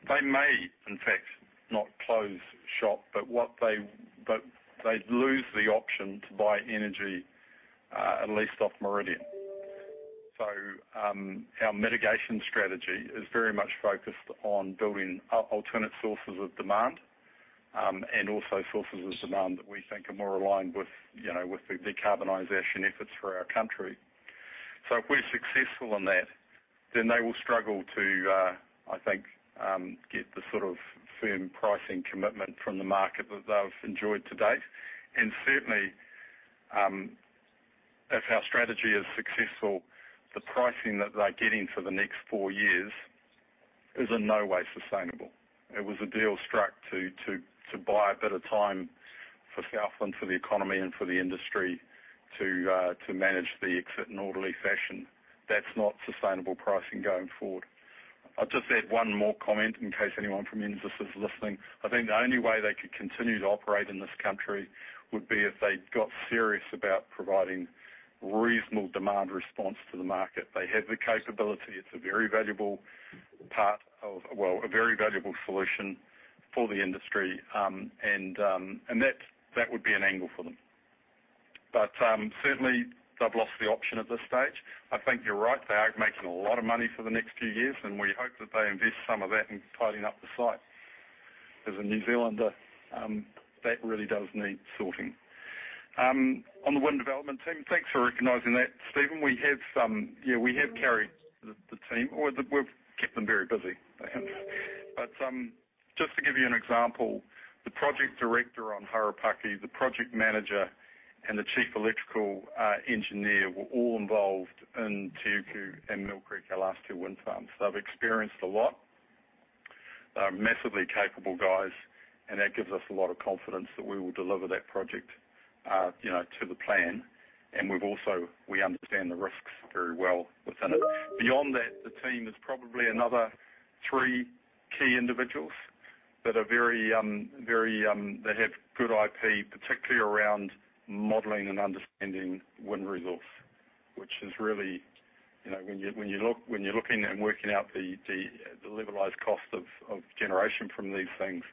they may, in fact, not close shop. They'd lose the option to buy energy, at least off Meridian. Our mitigation strategy is very much focused on building alternate sources of demand, and also sources of demand that we think are more aligned with the decarbonization efforts for our country. If we're successful in that, they will struggle to, I think, get the sort of firm pricing commitment from the market that they've enjoyed to date. Certainly, if our strategy is successful, the pricing that they're getting for the next four years is in no way sustainable. It was a deal struck to buy a bit of time for Southland, for the economy, and for the industry to manage the exit in an orderly fashion. That's not sustainable pricing going forward. I'll just add one more comment in case anyone from NZAS is listening. I think the only way they could continue to operate in this country would be if they got serious about providing reasonable demand response to the market. They have the capability. It's a very valuable part of well, a very valuable solution for the industry, and that would be an angle for them. Certainly, they've lost the option at this stage. I think you're right. They are making a lot of money for the next few years, and we hope that they invest some of that in tidying up the site. As a New Zealander, that really does need sorting. On the wind development team, thanks for recognizing that, Stephen. We have carried the team, or we've kept them very busy, I think. Just to give you an example, the project director on Harapaki, the project manager, and the chief electrical engineer were all involved in Te Uku and Mill Creek, our last two wind farms. They've experienced a lot. They are massively capable guys, and that gives us a lot of confidence that we will deliver that project to the plan. We understand the risks very well within it. Beyond that, the team is probably another three key individuals that have good IP, particularly around modeling and understanding wind resource. When you're looking and working out the levelized cost of generation from these things,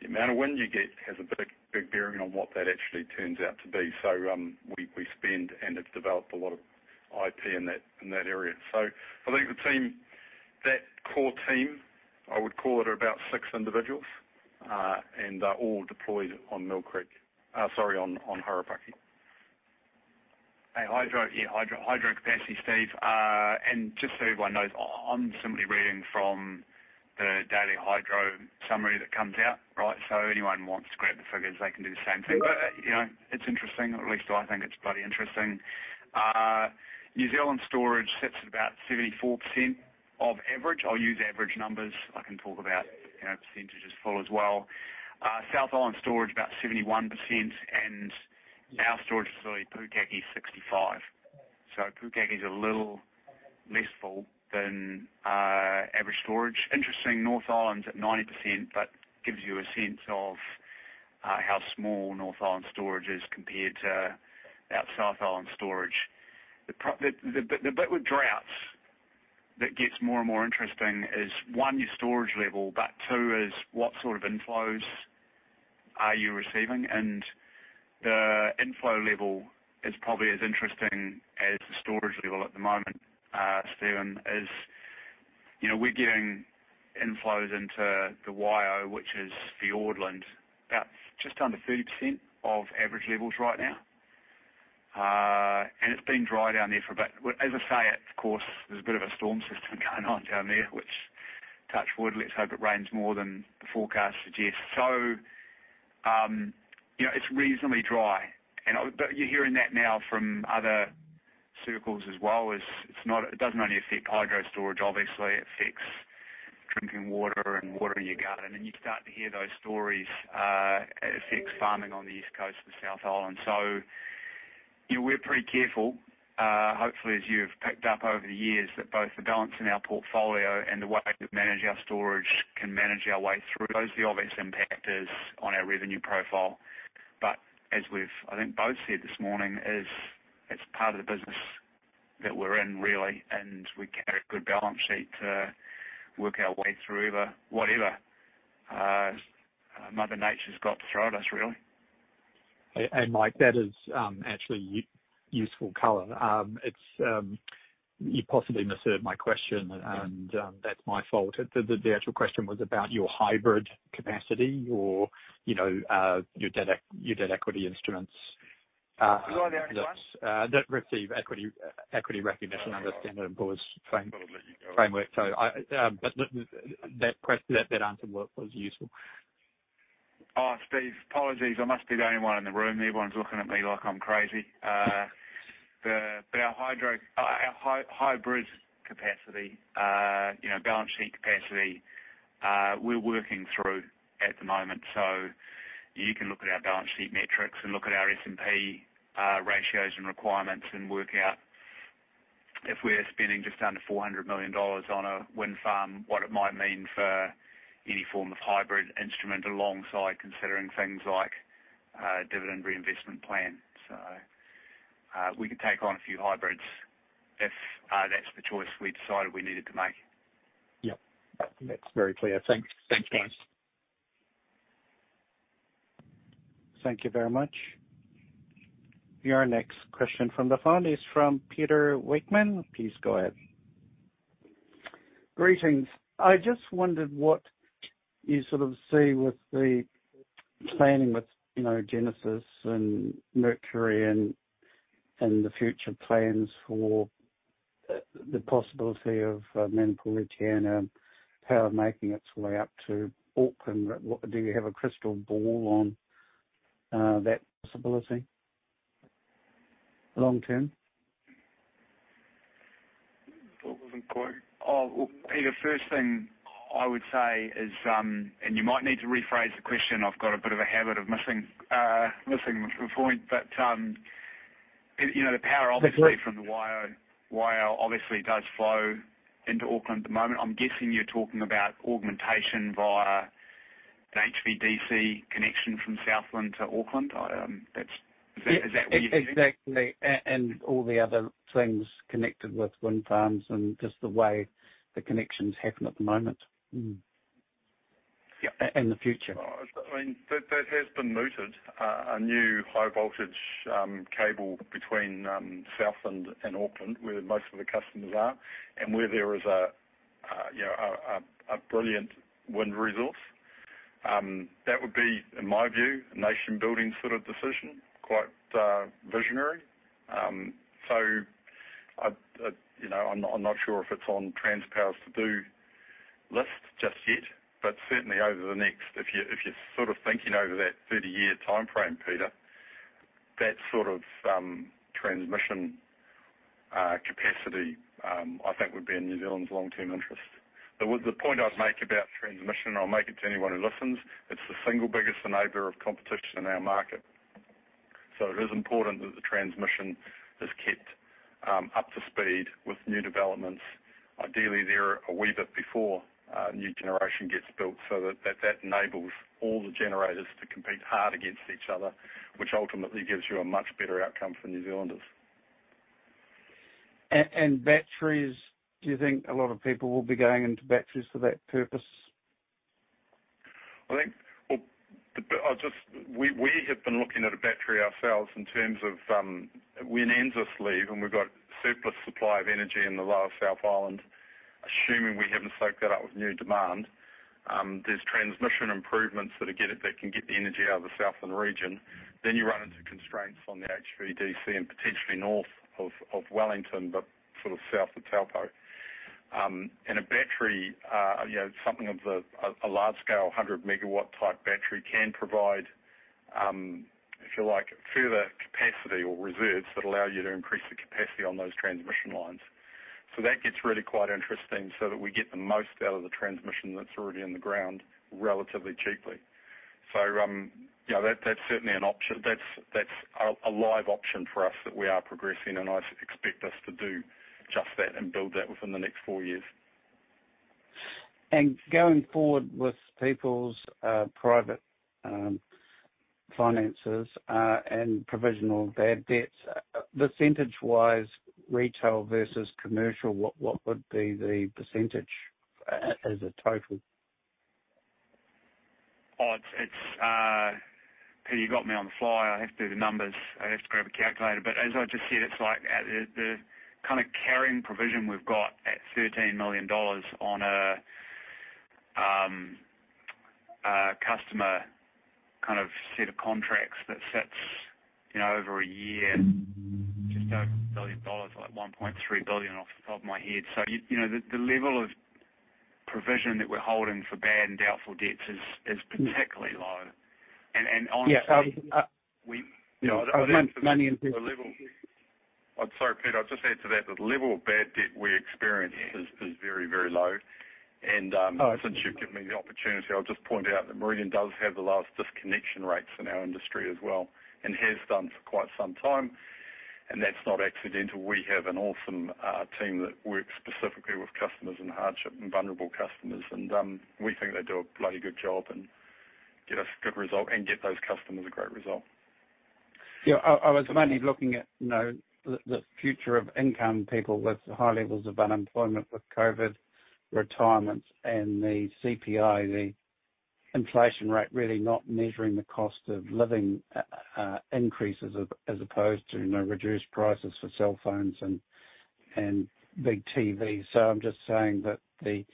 the amount of wind you get has a big bearing on what that actually turns out to be. We spend and have developed a lot of IP in that area. I think that core team, I would call it, are about six individuals, and they're all deployed on Harapaki. Yeah. Hydro capacity, Steven. Just so everyone knows, I'm simply reading from the daily hydro summary that comes out. Anyone wants to grab the figures, they can do the same thing. It's interesting, or at least I think it's bloody interesting. New Zealand storage sits at about 74% of average. I'll use average numbers. I can talk about percentages full as well. South Island storage about 71%, and our storage facility, Pukaki, 65. Pukaki is a little less full than average storage. Interesting, North Island's at 90%, but gives you a sense of how small North Island storage is compared to our South Island storage. The bit with droughts that gets more and more interesting is one, your storage level, but two is what sort of inflows are you receiving? The inflow level is probably as interesting as the storage level at the moment, Steven. We're getting inflows into the Waikato, which is Fiordland, about just under 30% of average levels right now. It's been dry down there for a bit. As I say, of course, there's a bit of a storm system going on down there, which touch wood, let's hope it rains more than the forecast suggests. It's reasonably dry. You're hearing that now from other circles as well. It doesn't only affect hydro storage, obviously. It affects drinking water and water in your garden, and you're starting to hear those stories. It affects farming on the East Coast of South Island. We're pretty careful. Hopefully, as you've picked up over the years that both the balance in our portfolio and the way we manage our storage can manage our way through. The obvious impact is on our revenue profile. As we've, I think, both said this morning is it's part of the business that we're in, really, and we carry a good balance sheet to work our way through whatever Mother Nature's got to throw at us, really. Mike, that is actually useful color. You possibly misheard my question, and that's my fault. The actual question was about your hybrid capacity or your debt equity instruments. You want the actual question? that receive equity recognition under Standard & Poor's frame- Thought I'd let you go. framework. That answer was useful. Steve, apologies. I must be the only one in the room. Everyone's looking at me like I'm crazy. Our hybrid capacity, balance sheet capacity, we're working through at the moment. You can look at our balance sheet metrics and look at our S&P ratios and requirements and work out if we're spending just under 400 million dollars on a wind farm, what it might mean for any form of hybrid instrument alongside considering things like dividend reinvestment plan. We could take on a few hybrids if that's the choice we decided we needed to make. Yep. That's very clear. Thanks. Thanks. Thank you very much. Your next question from the phone is from Peter Wakeman. Please go ahead. Greetings. I just wondered what you sort of see with the planning with Genesis and Mercury and the future plans for the possibility of Manapouri, Te Anau power making its way up to Auckland. Do you have a crystal ball on that possibility long term? Oh, well, Peter, first thing I would say is, and you might need to rephrase the question. I've got a bit of a habit of missing the point. That's all right. from the Waiau obviously does flow into Auckland at the moment. I'm guessing you're talking about augmentation via an HVDC connection from Southland to Auckland. Is that what you're getting at? Exactly, all the other things connected with wind farms and just the way the connections happen at the moment. Yep. In the future. That has been mooted. A new high voltage cable between Southland and Auckland, where most of the customers are, and where there is a brilliant wind resource. That would be, in my view, a nation-building sort of decision, quite visionary. I'm not sure if it's on Transpower's to-do list just yet. Certainly over the next, if you're sort of thinking over that 30-year timeframe, Peter, that sort of transmission capacity, I think would be in New Zealand's long-term interest. The point I'd make about transmission, and I'll make it to anyone who listens, it's the single biggest enabler of competition in our market. It is important that the transmission is kept up to speed with new developments. Ideally, they're a wee bit before a new generation gets built so that enables all the generators to compete hard against each other, which ultimately gives you a much better outcome for New Zealanders. Batteries, do you think a lot of people will be going into batteries for that purpose? We have been looking at a battery ourselves in terms of, when NZAS leave and we've got surplus supply of energy in the lower South Island, assuming we haven't soaked that up with new demand, there's transmission improvements that can get the energy out of the southern region. You run into constraints on the HVDC and potentially north of Wellington, but south of Taupō. A battery, something of a large scale, 100-megawatt type battery can provide, if you like, further capacity or reserves that allow you to increase the capacity on those transmission lines. That gets really quite interesting so that we get the most out of the transmission that's already in the ground relatively cheaply. That's certainly an option. That's a live option for us that we are progressing and I expect us to do just that and build that within the next 4 years. Going forward with people's private finances, and provisional bad debts, percentage-wise, retail versus commercial, what would be the % as a total? Oh, Peter, you got me on the fly. I have to do the numbers. I'd have to grab a calculator. As I just said, it's like, the carrying provision we've got at 13 million dollars on a customer set of contracts that sits over one year, just over 1 billion dollars, like 1.3 billion off the top of my head. The level of provision that we're holding for bad and doubtful debts is particularly low. Honestly. Yeah. Can I just add to that? Money into. I'm sorry, Peter. I'll just add to that. The level of bad debt we experience is very, very low. Oh, sure. since you've given me the opportunity, I'll just point out that Meridian does have the lowest disconnection rates in our industry as well, and has done for quite some time. That's not accidental. We have an awesome team that works specifically with customers in hardship and vulnerable customers. We think they do a bloody good job and get us good result and get those customers a great result. Yeah, I was mainly looking at the future of income, people with high levels of unemployment, with COVID retirements and the CPI, the inflation rate really not measuring the cost of living increases as opposed to reduced prices for cell phones and big TVs. I'm just saying that the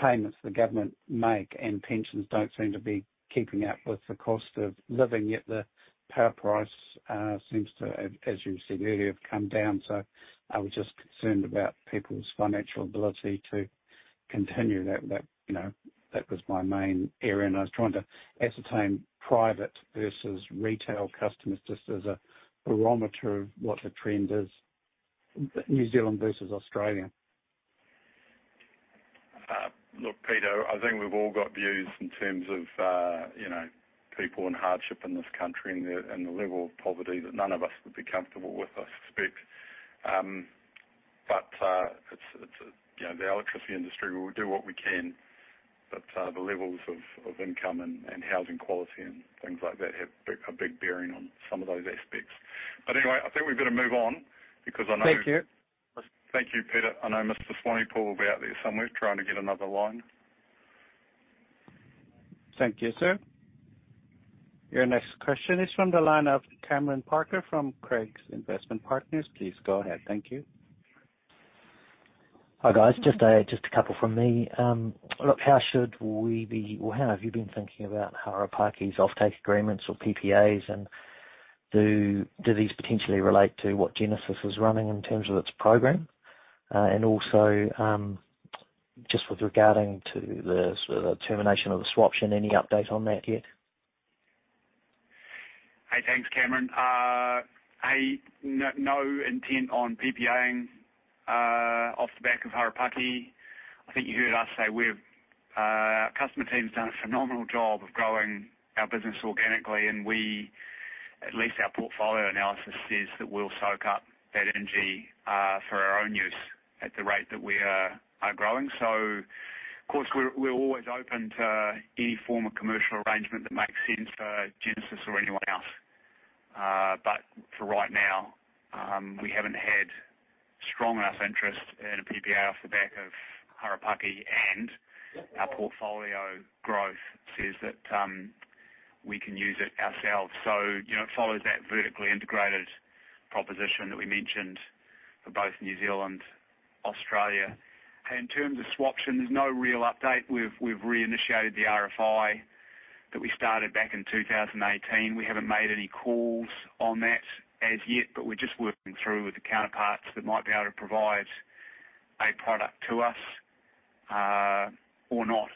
payments the government make and pensions don't seem to be keeping up with the cost of living yet the power price seems to, as you said earlier, have come down. I was just concerned about people's financial ability to continue. That was my main area, and I was trying to ascertain private versus retail customers just as a barometer of what the trend is, New Zealand versus Australia. Look, Peter, I think we've all got views in terms of people in hardship in this country and the level of poverty that none of us would be comfortable with, I suspect. The electricity industry will do what we can. The levels of income and housing quality and things like that have a big bearing on some of those aspects. Anyway, I think we better move on. Thank you. Thank you, Peter. I know Mr. Swanepoel will be out there somewhere trying to get another line. Thank you, sir. Your next question is from the line of Cameron Parker from Craigs Investment Partners. Please go ahead. Thank you. Hi, guys. Just a couple from me. Look, how have you been thinking about Harapaki's offtake agreements or PPAs, and do these potentially relate to what Genesis is running in terms of its program? Also, just with regarding to the termination of the swaption, any update on that yet? Hey, thanks, Cameron. No intent on PPA-ing off the back of Harapaki. I think you heard us say our customer team's done a phenomenal job of growing our business organically, and we, at least our portfolio analysis says that we'll soak up that energy for our own use at the rate that we are growing. Of course, we're always open to any form of commercial arrangement that makes sense for Genesis or anyone else. For right now, we haven't had strong enough interest in a PPA off the back of Harapaki, and our portfolio growth says that we can use it ourselves. It follows that vertically integrated proposition that we mentioned for both New Zealand, Australia. In terms of swaption, there's no real update. We've reinitiated the RFI that we started back in 2018. We haven't made any calls on that as yet, but we're just working through with the counterparts that might be able to provide a product to us or not.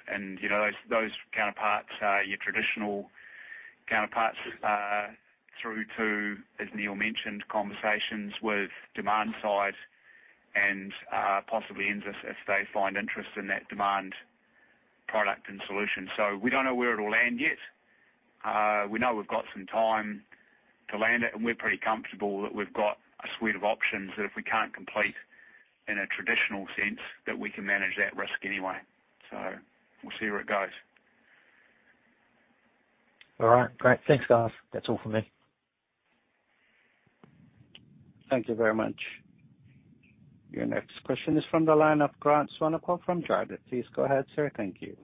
Those counterparts are your traditional counterparts, through to, as Neal mentioned, conversations with demand side and possibly NZAS if they find interest in that demand product and solution. We don't know where it'll land yet. We know we've got some time to land it, and we're pretty comfortable that we've got a suite of options that if we can't complete in a traditional sense, that we can manage that risk anyway. We'll see where it goes. All right. Great. Thanks, guys. That's all from me. Thank you very much. Your next question is from the line of Grant Swanepoel from Jarden. Please go ahead, sir. Thank you.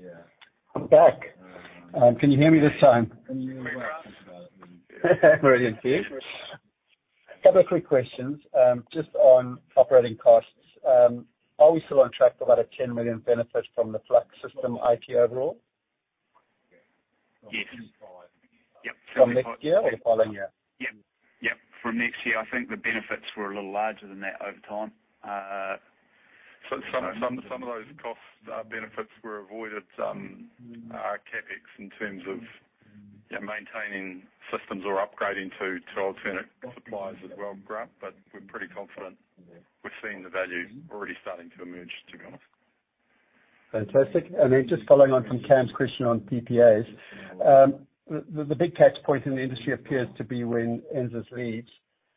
Yeah. I'm back. Can you hear me this time? Brilliant. A couple of quick questions. Just on operating costs, are we still on track for that 10 million benefit from the Flux system IP overall? Yes. Yep. From next year or the following year? Yep. From next year. I think the benefits were a little larger than that over time. Some of those cost benefits were avoided, CapEx in terms of maintaining systems or upgrading to alternate suppliers as well, Grant, but we're pretty confident we're seeing the value already starting to emerge, to be honest. Fantastic. Just following on from Cam's question on PPAs. The big tax point in the industry appears to be when NZAS leaves.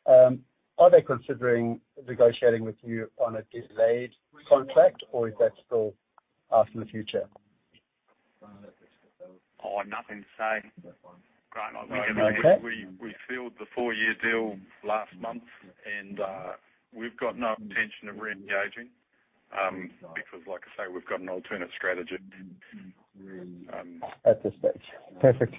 Are they considering negotiating with you on a delayed contract, or is that still after the future? Oh, nothing to say. Okay. Grant, we sealed the four-year deal last month, and we've got no intention of re-engaging, because like I say, we've got an alternate strategy. At this stage. Perfect.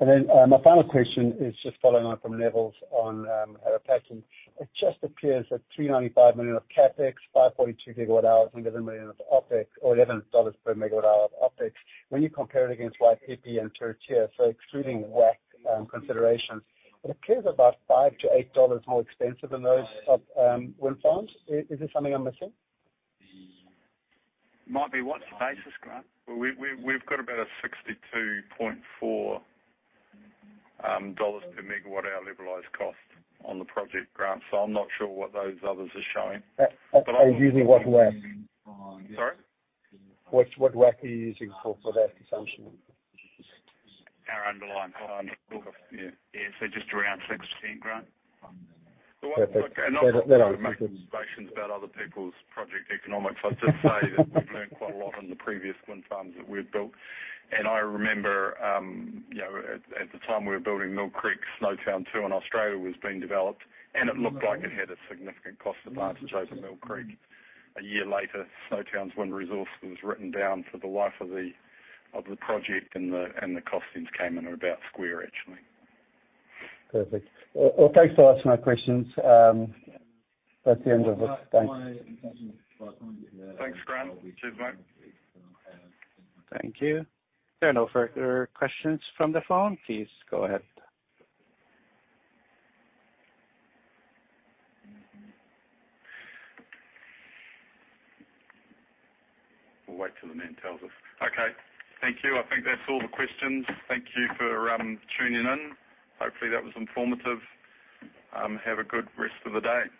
My final question is just following on from Neville's on Harapaki. It just appears that 395 million of CapEx, 542 gigawatt hours and 1 million of OpEx or 11 dollars per megawatt hour of OpEx. When you compare it against Waipipi and Te Uku, so excluding WACC considerations, it appears about 5-8 dollars more expensive than those wind farms. Is there something I'm missing? Might be. What's your basis, Grant? We've got about 62.4 dollars per megawatt hour levelized cost on the project, Grant. I'm not sure what those others are showing. Are you using what WACC? Sorry? What WACC are you using for that assumption? Our underlying. Our underlying, yeah. Yeah. just around 16, Grant. Perfect. I'm not going to make assumptions about other people's project economics. I'll just say that we've learned quite a lot in the previous wind farms that we've built. I remember, at the time we were building Mill Creek, Snowtown 2, in Australia, was being developed, and it looked like it had a significant cost advantage over Mill Creek. A year later, Snowtown's wind resource was written down for the life of the project, and the costings came in about square, actually. Perfect. Well, thanks for answering my questions. That's the end of it. Thanks. Thanks, Grant. Cheers, mate. Thank you. If there are no further questions from the phone, please go ahead. We'll wait till the man tells us. Okay. Thank you. I think that's all the questions. Thank you for tuning in. Hopefully, that was informative. Have a good rest of the day.